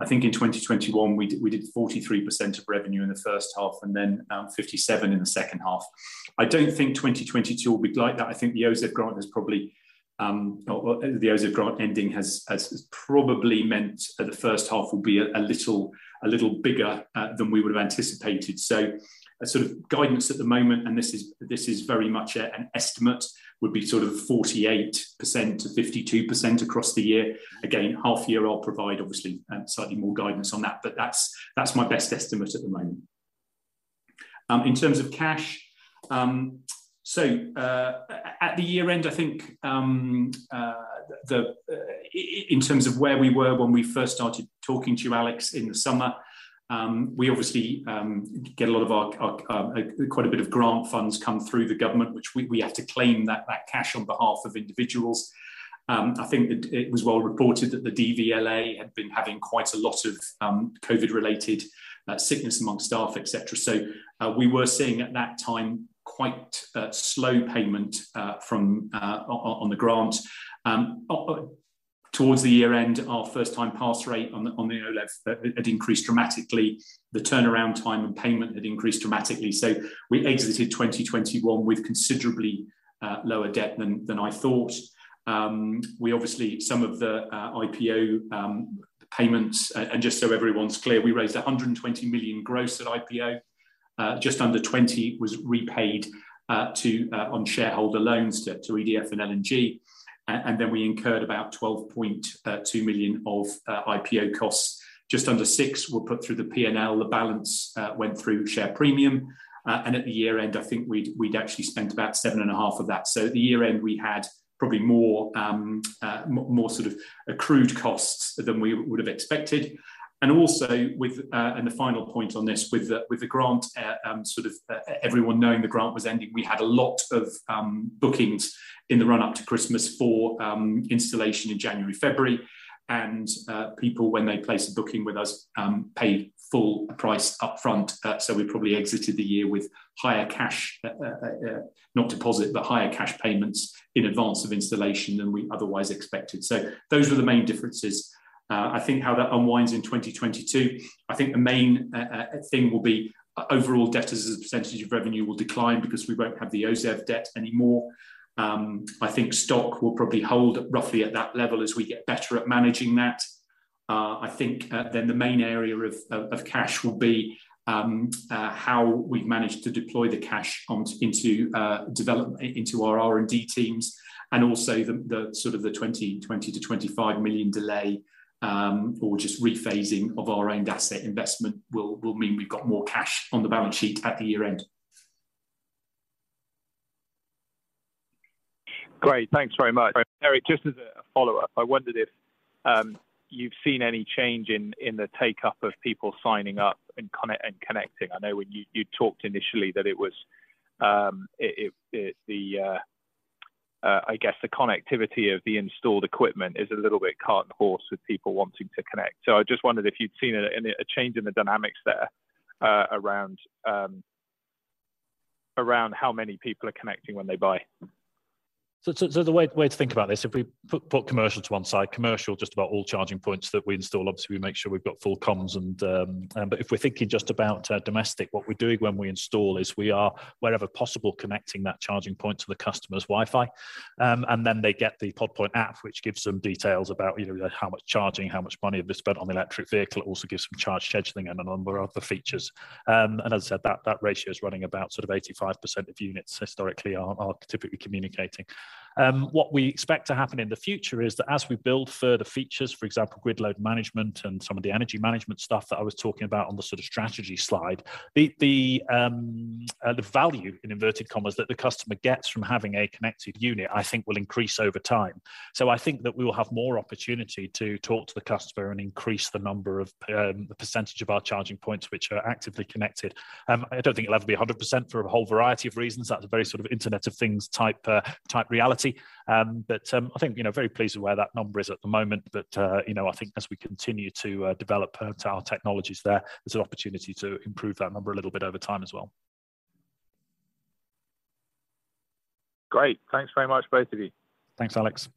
I think in 2021, we did 43% of revenue in the first half and then 57% in the second half. I don't think 2022 will be like that. I think the OZEV Grant ending has probably meant that the first half will be a little bigger than we would have anticipated. A sort of guidance at the moment, and this is very much an estimate, would be sort of 48%-52% across the year. Again, half year, I'll provide obviously, slightly more guidance on that, but that's my best estimate at the moment. In terms of cash, at the year end, I think in terms of where we were when we first started talking to you, Alex, in the summer, we obviously get a lot of our quite a bit of grant funds come through the government, which we had to claim that cash on behalf of individuals. I think that it was well reported that the DVLA had been having quite a lot of COVID-related sickness among staff, etc. We were seeing at that time quite slow payment from on the grant. Towards the year end, our first time pass rate on the OLEV had increased dramatically. The turnaround time and payment had increased dramatically. We exited 2021 with considerably lower debt than I thought. We obviously some of the IPO payments and just so everyone's clear, we raised 120 million gross at IPO. Just under 20 million was repaid on shareholder loans to EDF and L&G. Then we incurred about 12.2 million of IPO costs. Just under 6 million were put through the P&L. The balance went through share premium. At the year end, I think we'd actually spent about 7.5 million of that. At the year end, we had probably more sort of accrued costs than we would have expected. Also with the final point on this, with the grant, everyone knowing the grant was ending, we had a lot of bookings in the run-up to Christmas for installation in January, February. People when they place a booking with us, pay full price upfront. We probably exited the year with higher cash, not deposit, but higher cash payments in advance of installation than we otherwise expected. Those are the main differences. I think how that unwinds in 2022, I think the main thing will be overall debt as a percentage of revenue will decline because we won't have the OZEV debt anymore. I think stock will probably hold at roughly that level as we get better at managing that. I think then the main area of cash will be how we've managed to deploy the cash into developing our R&D teams, and also the sort of 20 million-25 million delay or just rephasing of our owned asset investment will mean we've got more cash on the balance sheet at the year-end. Great. Thanks very much. Erik, just as a follow-up, I wondered if you've seen any change in the take-up of people signing up and connecting. I know when you talked initially that I guess the connectivity of the installed equipment is a little bit cart and horse with people wanting to connect. I just wondered if you'd seen a change in the dynamics there, around how many people are connecting when they buy. The way to think about this, if we put commercial to one side, just about all charging points that we install, obviously we make sure we've got full comms and. If we're thinking just about domestic, what we're doing when we install is we are, wherever possible, connecting that charging point to the customer's Wi-Fi. Then they get the Pod Point App, which gives some details about how much charging, how much money have they spent on the electric vehicle. It also gives some charge scheduling and a number of other features. As I said, that ratio is running about sort of 85% of units historically are typically communicating. What we expect to happen in the future is that as we build further features, for example, grid load management and some of the energy management stuff that I was talking about on the sort of strategy slide, the value, in inverted commas, that the customer gets from having a connected unit, I think will increase over time. I think that we will have more opportunity to talk to the customer and increase the percentage of our charging points which are actively connected. I don't think it'll ever be 100% for a whole variety of reasons. That's a very sort of Internet of Things type reality. I think, you know, very pleased with where that number is at the moment. You know, I think as we continue to develop our technologies there's an opportunity to improve that number a little bit over time as well. Great. Thanks very much, both of you. Thanks, Alex.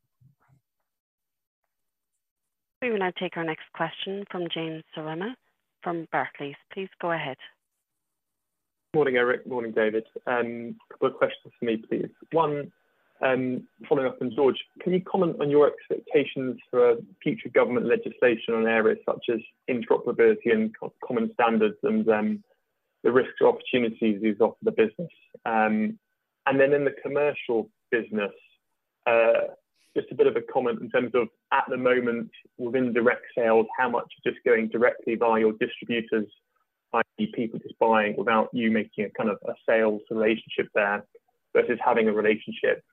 We will now take our next question from James Zaremba from Barclays. Please go ahead. Morning, Erik. Morning, David. Couple of questions for me, please. One, following up on George, can you comment on your expectations for future government legislation on areas such as interoperability and common standards and the risks or opportunities these offer the business? Then in the commercial business, just a bit of a comment in terms of at the moment within direct sales, how much is just going directly via your distributors, i.e. people just buying without you making a kind of a sales relationship there versus having a relationship?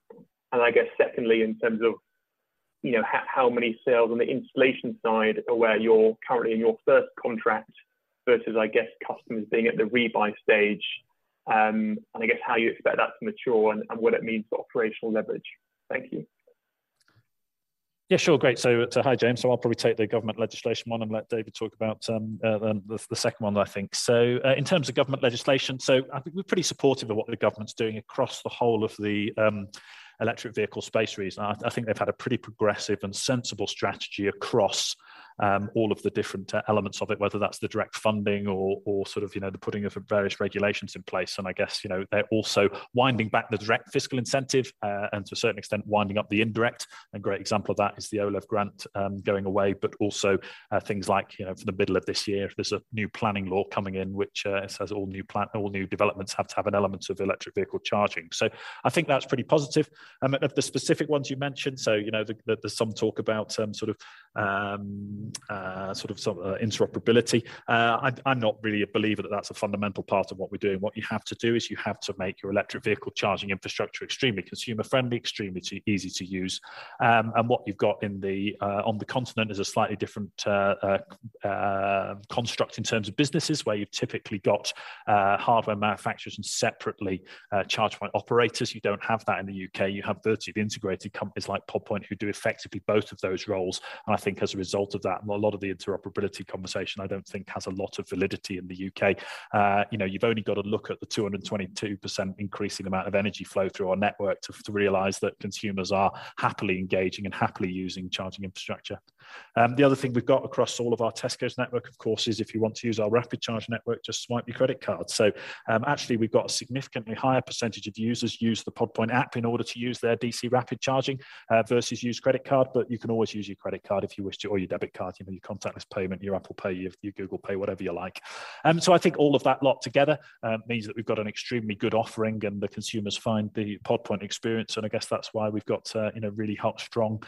I guess secondly, in terms of you know, how many sales on the installation side are where you're currently in your first contract versus, I guess, customers being at the rebuy stage and I guess how you expect that to mature and what it means for operational leverage. Thank you. Yeah, sure. Great. Hi, James. I'll probably take the government legislation one and let David talk about the second one, I think. In terms of government legislation, I think we're pretty supportive of what the government's doing across the whole of the electric vehicle space recently. I think they've had a pretty progressive and sensible strategy across all of the different elements of it, whether that's the direct funding or sort of, you know, the putting of various regulations in place. I guess, you know, they're also winding back the direct fiscal incentive and to a certain extent, winding up the indirect. A great example of that is the OLEV Grant going away, but also things like, you know, from the middle of this year, there's a new planning law coming in which it says all new developments have to have an element of electric vehicle charging. I think that's pretty positive. Of the specific ones you mentioned, you know, the there's some talk about sort of some interoperability. I'm not really a believer that that's a fundamental part of what we're doing. What you have to do is you have to make your electric vehicle charging infrastructure extremely consumer-friendly, extremely easy to use. What you've got on the continent is a slightly different construct in terms of businesses, where you've typically got hardware manufacturers and separately charge point operators. You don't have that in the U.K. You have vertically integrated companies like Pod Point who do effectively both of those roles. I think as a result of that, a lot of the interoperability conversation I don't think has a lot of validity in the U.K. You know, you've only got to look at the 222% increasing amount of energy flow through our network to realize that consumers are happily engaging and happily using charging infrastructure. The other thing we've got across all of our Tesco network, of course, is if you want to use our rapid charge network, just swipe your credit card. Actually, we've got a significantly higher percentage of users use the Pod Point app in order to use their DC rapid charging versus use credit card. You can always use your credit card if you wish to, or your debit card, you know, your contactless payment, your Apple Pay, your Google Pay, whatever you like. I think all of that lot together means that we've got an extremely good offering, and the consumers find the Pod Point experience, and I guess that's why we've got you know, really hot, strong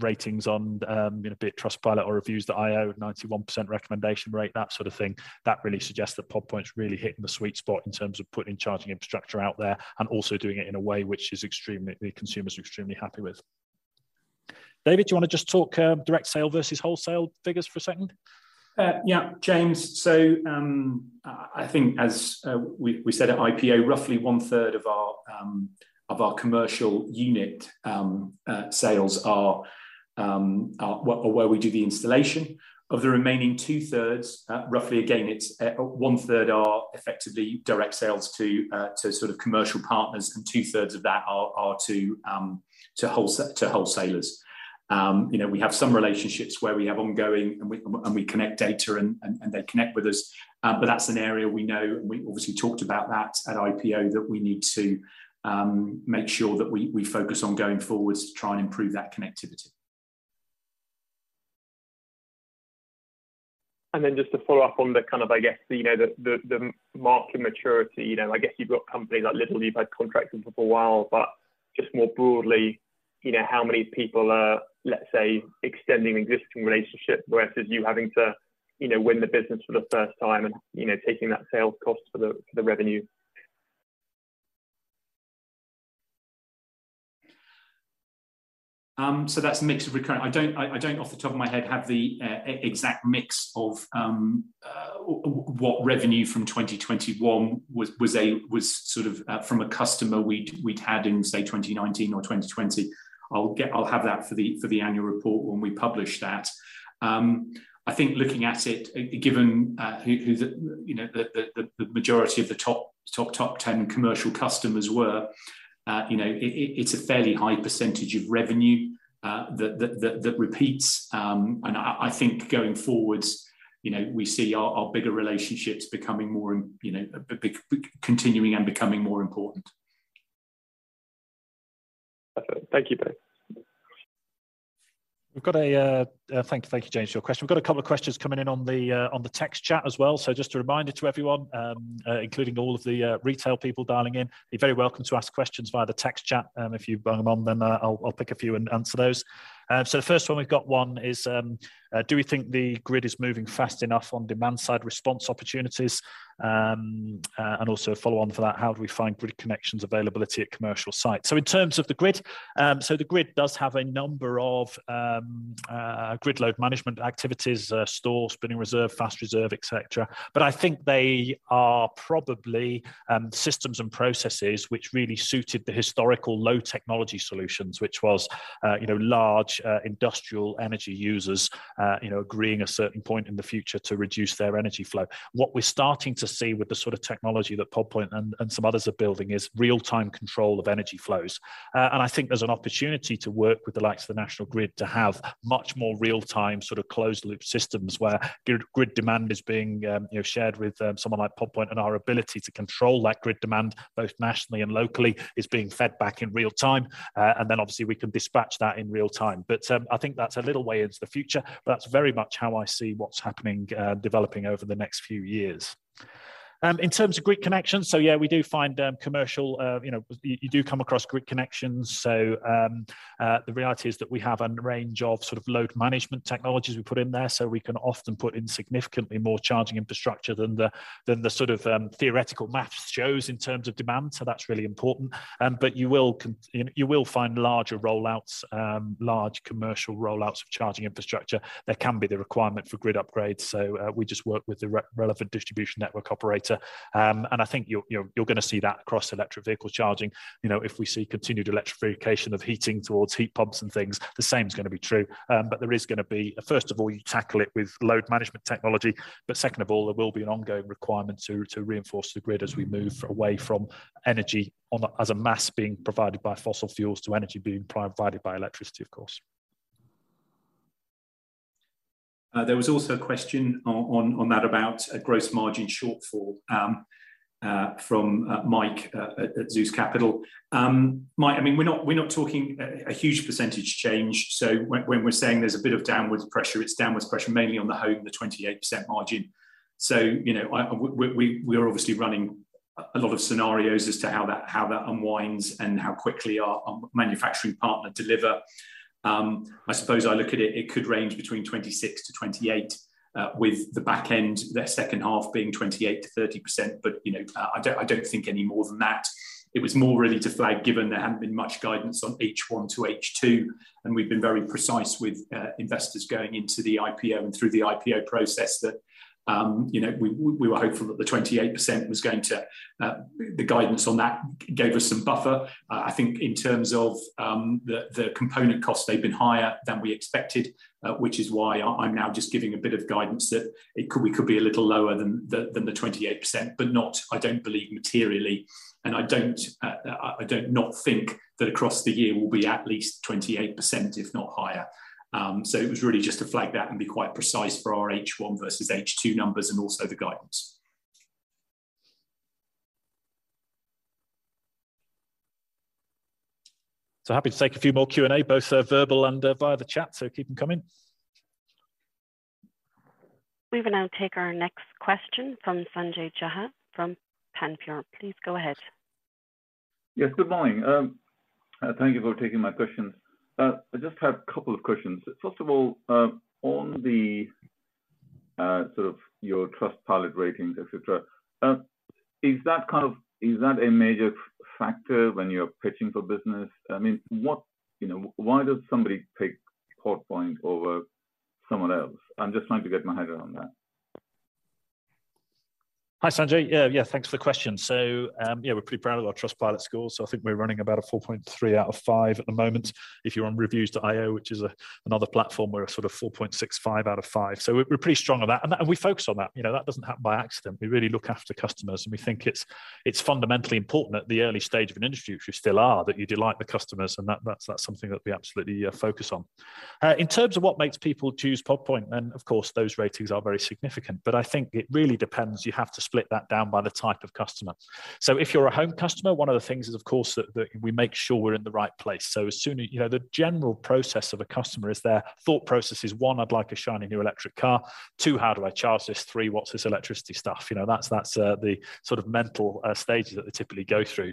ratings on you know, be it Trustpilot or Reviews.io, 91% recommendation rate, that sort of thing. That really suggests that Pod Point's really hitting the sweet spot in terms of putting charging infrastructure out there and also doing it in a way which is extremely, the consumer's extremely happy with. David, do you want to just talk direct sale versus wholesale figures for a second? Yeah. James, I think as we said at IPO, roughly one third of our commercial unit sales are where we do the installation. Of the remaining two thirds, roughly again it's one third are effectively direct sales to sort of commercial partners, and two thirds of that are to wholesalers. You know, we have some relationships where we have ongoing and we connect data and they connect with us. That's an area we know, and we obviously talked about that at IPO, that we need to make sure that we focus on going forward to try and improve that connectivity. Just to follow up on the kind of, I guess, you know, the market maturity. You know, I guess you've got companies like Lidl who you've had contracts with for a while, but just more broadly, you know, how many people are, let's say, extending existing relationships versus you having to, you know, win the business for the first time and, you know, taking that sales cost for the revenue? That's a mix of recurring. I don't off the top of my head have the exact mix of what revenue from 2021 was sort of from a customer we'd had in, say, 2019 or 2020. I'll have that for the annual report when we publish that. I think looking at it, given who the, you know, the majority of the top ten commercial customers were, you know, it's a fairly high percentage of revenue that repeats. I think going forwards, you know, we see our bigger relationships becoming more, you know, continuing and becoming more important. Perfect. Thank you both. Thank you, James, for your question. We've got a couple of questions coming in on the text chat as well. Just a reminder to everyone, including all of the retail people dialing in, you're very welcome to ask questions via the text chat. If you bang them on, then I'll pick a few and answer those. The first one is, do we think the grid is moving fast enough on demand side response opportunities? Also a follow on for that, how do we find grid connections availability at commercial sites? In terms of the grid, the grid does have a number of grid load management activities, store, spinning reserve, fast reserve, etc. I think they are probably systems and processes which really suited the historical low technology solutions, which was you know large industrial energy users you know agreeing a certain point in the future to reduce their energy flow. What we're starting to see with the sort of technology that Pod Point and some others are building is real-time control of energy flows. I think there's an opportunity to work with the likes of the National Grid to have much more real-time sort of closed loop systems, where grid demand is being you know shared with someone like Pod Point, and our ability to control that grid demand, both nationally and locally, is being fed back in real time. Obviously we can dispatch that in real time. I think that's a little way into the future, but that's very much how I see what's happening, developing over the next few years. In terms of grid connections, we do find commercial. You do come across grid connections. The reality is that we have a range of sort of load management technologies we put in there. We can often put in significantly more charging infrastructure than the sort of theoretical math shows in terms of demand. That's really important. You will find larger rollouts, large commercial rollouts of charging infrastructure. There can be the requirement for grid upgrades. We just work with the relevant distribution network operator. I think you're gonna see that across electric vehicle charging. You know, if we see continued electrification of heating towards heat pumps and things, the same's gonna be true. There is gonna be first of all, you tackle it with load management technology. Second of all, there will be an ongoing requirement to reinforce the grid as we move away from energy as a mass being provided by fossil fuels to energy being provided by electricity, of course. There was also a question on that about a gross margin shortfall from Mike at Zeus Capital. Mike, I mean, we're not talking a huge percentage change. When we're saying there's a bit of downward pressure, it's downward pressure mainly on the home, the 28% margin. You know, we're obviously running a lot of scenarios as to how that unwinds and how quickly our manufacturing partner deliver. I suppose I look at it could range between 26%-28%, with the back end, the second half being 28%-30%, but you know, I don't think any more than that. It was more really to flag, given there hadn't been much guidance on H1 to H2, and we've been very precise with investors going into the IPO and through the IPO process that, you know, we were hopeful that the 28% was going to. The guidance on that gave us some buffer. I think in terms of the component costs, they've been higher than we expected, which is why I'm now just giving a bit of guidance that we could be a little lower than the 28%, but not, I don't believe, materially. I don't not think that across the year we'll be at least 28%, if not higher. It was really just to flag that and be quite precise for our H1 versus H2 numbers and also the guidance. Happy to take a few more Q&A, both verbal and via the chat, so keep them coming. We will now take our next question from Sanjay Jha from Panmure Gordon. Please go ahead. Yes, good morning. Thank you for taking my questions. I just have couple of questions. First of all, on the sort of your Trustpilot ratings, etc. Is that kind of a major factor when you're pitching for business? I mean, what, you know, why does somebody pick Pod Point over someone else? I'm just trying to get my head around that. Hi, Sanjay. Yeah, yeah, thanks for the question. Yeah, we're pretty proud of our Trustpilot score. I think we're running about a 4.3 out of 5 at the moment. If you're on Reviews.io, which is another platform, we're sort of 4.65 out of 5. We're pretty strong on that. We focus on that, you know, that doesn't happen by accident. We really look after customers, and we think it's fundamentally important at the early stage of an industry, which we still are, that you delight the customers, and that's something that we absolutely focus on. In terms of what makes people choose Pod Point, then, of course, those ratings are very significant, but I think it really depends. You have to split that down by the type of customer. If you're a home customer, one of the things is, of course, that we make sure we're in the right place. As soon as you know, the general process of a customer is their thought process is, one, I'd like a shiny new electric car. Two, how do I charge this? Three, what's this electricity stuff? You know, that's the sort of mental stages that they typically go through.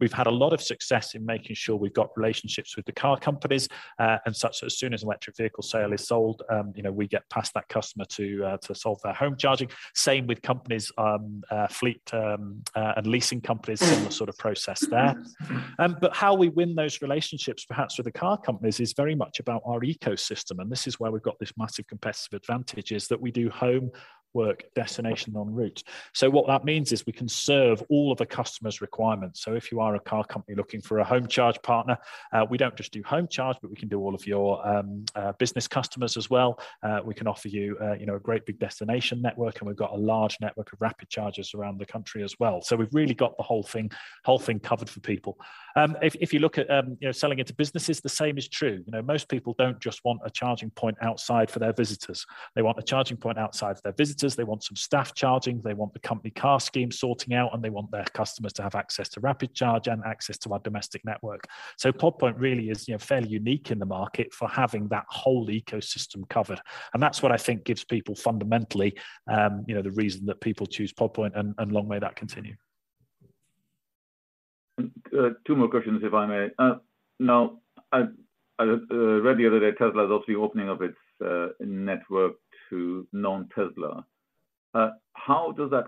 We've had a lot of success in making sure we've got relationships with the car companies and such that as soon as an electric vehicle sale is sold, you know, we get past that customer to solve their home charging. Same with companies, fleet and leasing companies, similar sort of process there. How we win those relationships, perhaps with the car companies, is very much about our ecosystem, and this is where we've got this massive competitive advantage, is that we do home, work, destination, en route. What that means is we can serve all of a customer's requirements. If you are a car company looking for a home charge partner, we don't just do home charge, but we can do all of your business customers as well. We can offer you know, a great big destination network, and we've got a large network of rapid chargers around the country as well. We've really got the whole thing covered for people. If you look at, you know, selling it to businesses, the same is true. You know, most people don't just want a charging point outside for their visitors. They want a charging point outside for their visitors, they want some staff charging, they want the company car scheme sorting out, and they want their customers to have access to rapid charge and access to our domestic network. Pod Point really is, you know, fairly unique in the market for having that whole ecosystem covered, and that's what I think gives people fundamentally, you know, the reason that people choose Pod Point, and long may that continue. Two more questions, if I may. Now, I read the other day Tesla is obviously opening up its network to non-Tesla. How does that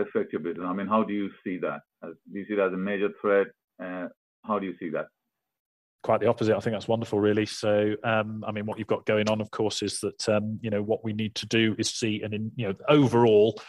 affect your business? I mean, how do you see that? Do you see that as a major threat? How do you see that? Quite the opposite. I think that's wonderful, really. I mean, what you've got going on, of course, is that, you know, what we need to do is, you know, overall,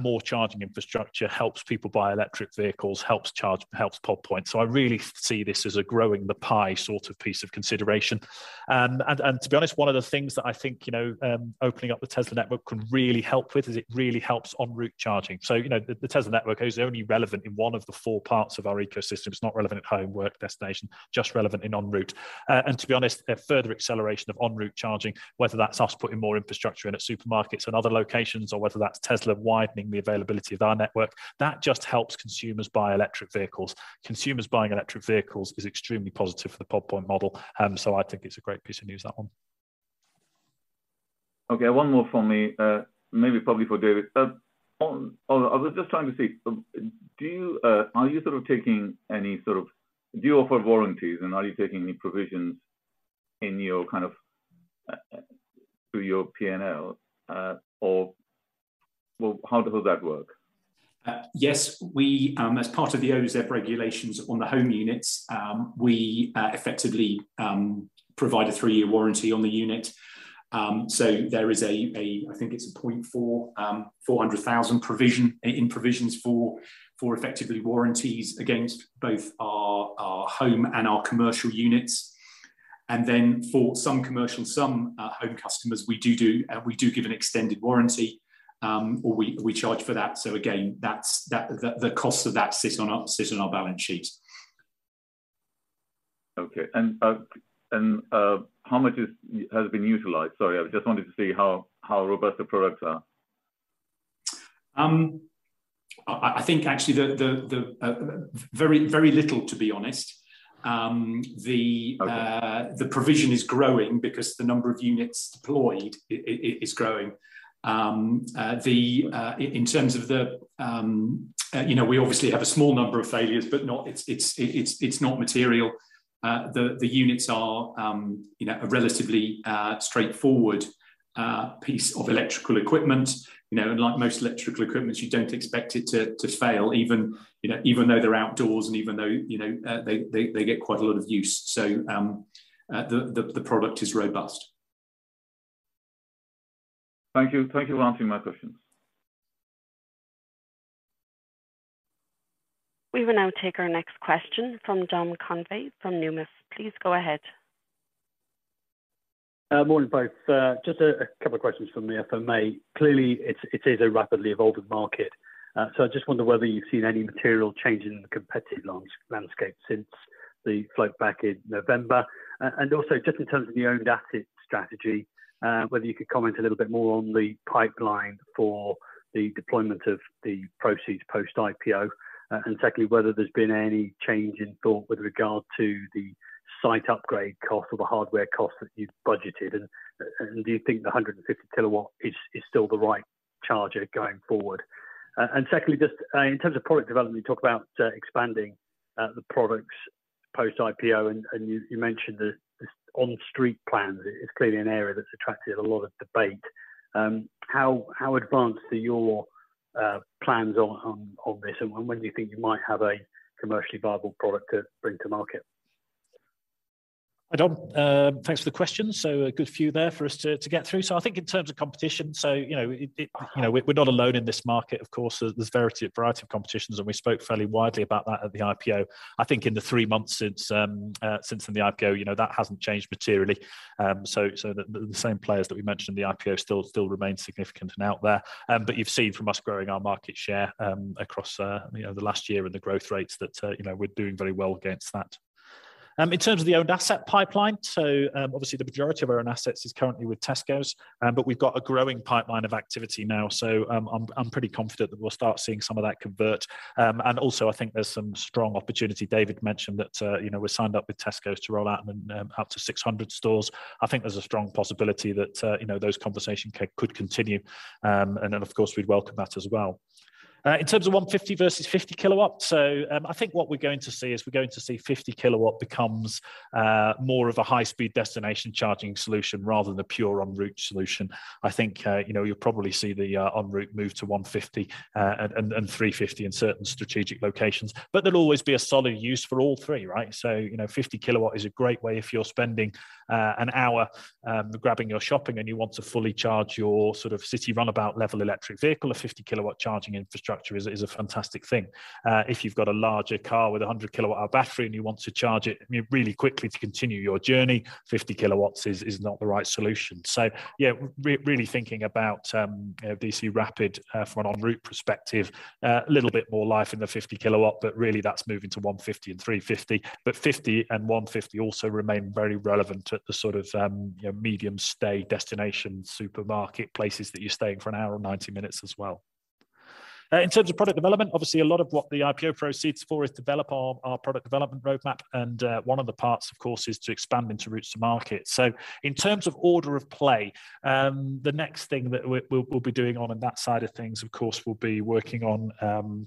more charging infrastructure helps people buy electric vehicles, helps Pod Point. I really see this as a growing the pie sort of piece of consideration. And to be honest, one of the things that I think, you know, opening up the Tesla network can really help with is it really helps en route charging. You know, the Tesla network is only relevant in one of the four parts of our ecosystem. It's not relevant at home, work, destination, just relevant in en route. To be honest, a further acceleration of en route charging, whether that's us putting more infrastructure in at supermarkets and other locations or whether that's Tesla widening the availability of our network, that just helps consumers buy electric vehicles. Consumers buying electric vehicles is extremely positive for the Pod Point model, so I think it's a great piece of news, that one. Okay, one more from me. Probably for David. Do you offer warranties, and are you taking any provisions in your kind of through your P&L, or well, how does that work? Yes. We, as part of the OZEV regulations on the home units, effectively provide a three-year warranty on the unit. There is, I think, 400,000 provision in provisions for effectively warranties against both our home and our commercial units. For some commercial, some home customers, we give an extended warranty or we charge for that. Again, the cost of that sits on our balance sheet. Okay. How much has been utilized? Sorry, I just wanted to see how robust the products are. I think actually the very little, to be honest. Okay. The provision is growing because the number of units deployed is growing. You know, we obviously have a small number of failures, but it's not material. The units are, you know, a relatively straightforward piece of electrical equipment. You know, and like most electrical equipments, you don't expect it to fail, even though they're outdoors and even though, you know, they get quite a lot of use. The product is robust. Thank you. Thank you for answering my questions. We will now take our next question from Dominic Convey from Numis. Please go ahead. Morning, both. Just a couple of questions from me, if I may. Clearly, it is a rapidly evolving market, so I just wonder whether you've seen any material change in the competitive launch landscape since the float back in November. Also, just in terms of the owned asset strategy, whether you could comment a little bit more on the pipeline for the deployment of the proceeds post-IPO. Secondly, whether there's been any change in thought with regard to the site upgrade cost or the hardware cost that you've budgeted, and do you think the 150 kW is still the right charger going forward? Secondly, just in terms of product development, you talk about expanding the products post IPO and you mentioned the on-street plans is clearly an area that's attracted a lot of debate. How advanced are your plans on this, and when do you think you might have a commercially viable product to bring to market? Hi Dom, thanks for the question. A good few there for us to get through. I think in terms of competition, we're not alone in this market, of course. There's variety of competitors, and we spoke fairly widely about that at the IPO. I think in the three months since the IPO, that hasn't changed materially. The same players that we mentioned in the IPO remain significant and out there. You've seen us growing our market share across the last year and the growth rates that we're doing very well against that. In terms of the owned asset pipeline, obviously the majority of our own assets is currently with Tesco, but we've got a growing pipeline of activity now. I'm pretty confident that we'll start seeing some of that convert. I think there's some strong opportunity. David mentioned that, you know, we're signed up with Tesco to roll out up to 600 stores. I think there's a strong possibility that, you know, those conversations could continue, and of course, we'd welcome that as well. In terms of 150 kWversus 50 kW, I think what we're going to see is we're going to see 50 kW becomes more of a high-speed destination charging solution rather than a pure en route solution. I think, you know, you'll probably see the en route move to 150 kW and 350 kW in certain strategic locations. But there'll always be a solid use for all three, right? You know, 50 kW is a great way if you're spending an hour grabbing your shopping, and you want to fully charge your sort of city runabout level electric vehicle. A 50 kW charging infrastructure is a fantastic thing. If you've got a larger car with a 100 kWh battery and you want to charge it, I mean, really quickly to continue your journey, 50 kW is not the right solution. Yeah, really thinking about, you know, DC rapid, from an en route perspective, a little bit more life in the 50 kW, but really that's moving to 150 kW and 350 kW. 50 kW and 150 kW also remain very relevant at the sort of, you know, medium stay destination, supermarket, places that you're staying for an hour or 90 minutes as well. In terms of product development, obviously a lot of what the IPO proceeds for is develop our product development roadmap, and one of the parts, of course, is to expand into routes to market. In terms of order of play, the next thing that we'll be doing on that side of things, of course, will be working on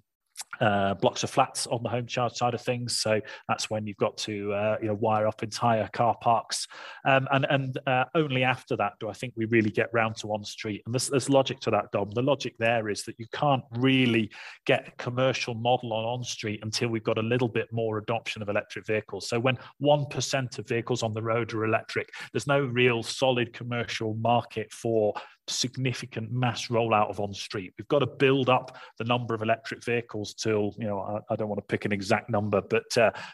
blocks of flats on the home charge side of things. That's when you've got to, you know, wire up entire car parks. Only after that do I think we really get around to on-street. There's logic to that, Dom. The logic there is that you can't really get a commercial model on-street until we've got a little bit more adoption of electric vehicles. When 1% of vehicles on the road are electric, there's no real solid commercial market for significant mass rollout of on-street. We've got to build up the number of electric vehicles till, you know, I don't want to pick an exact number, but,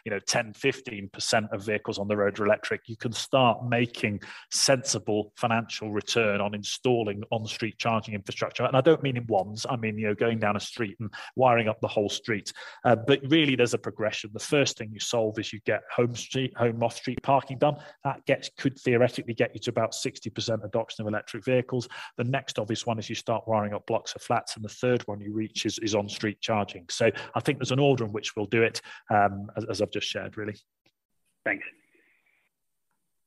you know, 10%-15% of vehicles on the road are electric. You can start making sensible financial return on installing on-street charging infrastructure. I don't mean in ones. I mean, you know, going down a street and wiring up the whole street. But really there's a progression. The first thing you solve is you get home off-street parking done. That could theoretically get you to about 60% adoption of electric vehicles. The next obvious one is you start wiring up blocks of flats, and the third one you reach is on-street charging. I think there's an order in which we'll do it, as I've just shared, really. Thanks.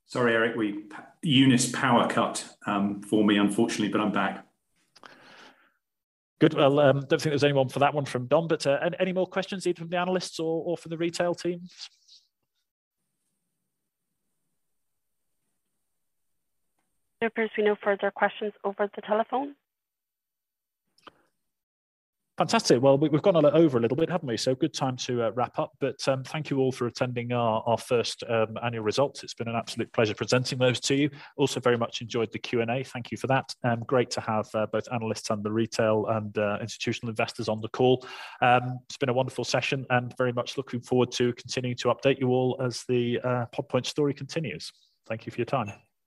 Sorry, Erik. Storm Eunice power cut for me, unfortunately, but I'm back. Good. Well, don't think there's anyone for that one from Dom, but any more questions either from the analysts or from the retail teams? There appears to be no further questions over the telephone. Fantastic. Well, we've gone a little over a little bit, haven't we? Good time to wrap up. Thank you all for attending our first annual results. It's been an absolute pleasure presenting those to you. Also very much enjoyed the Q&A. Thank you for that. Great to have both analysts and the retail and institutional investors on the call. It's been a wonderful session and very much looking forward to continuing to update you all as the Pod Point story continues. Thank you for your time.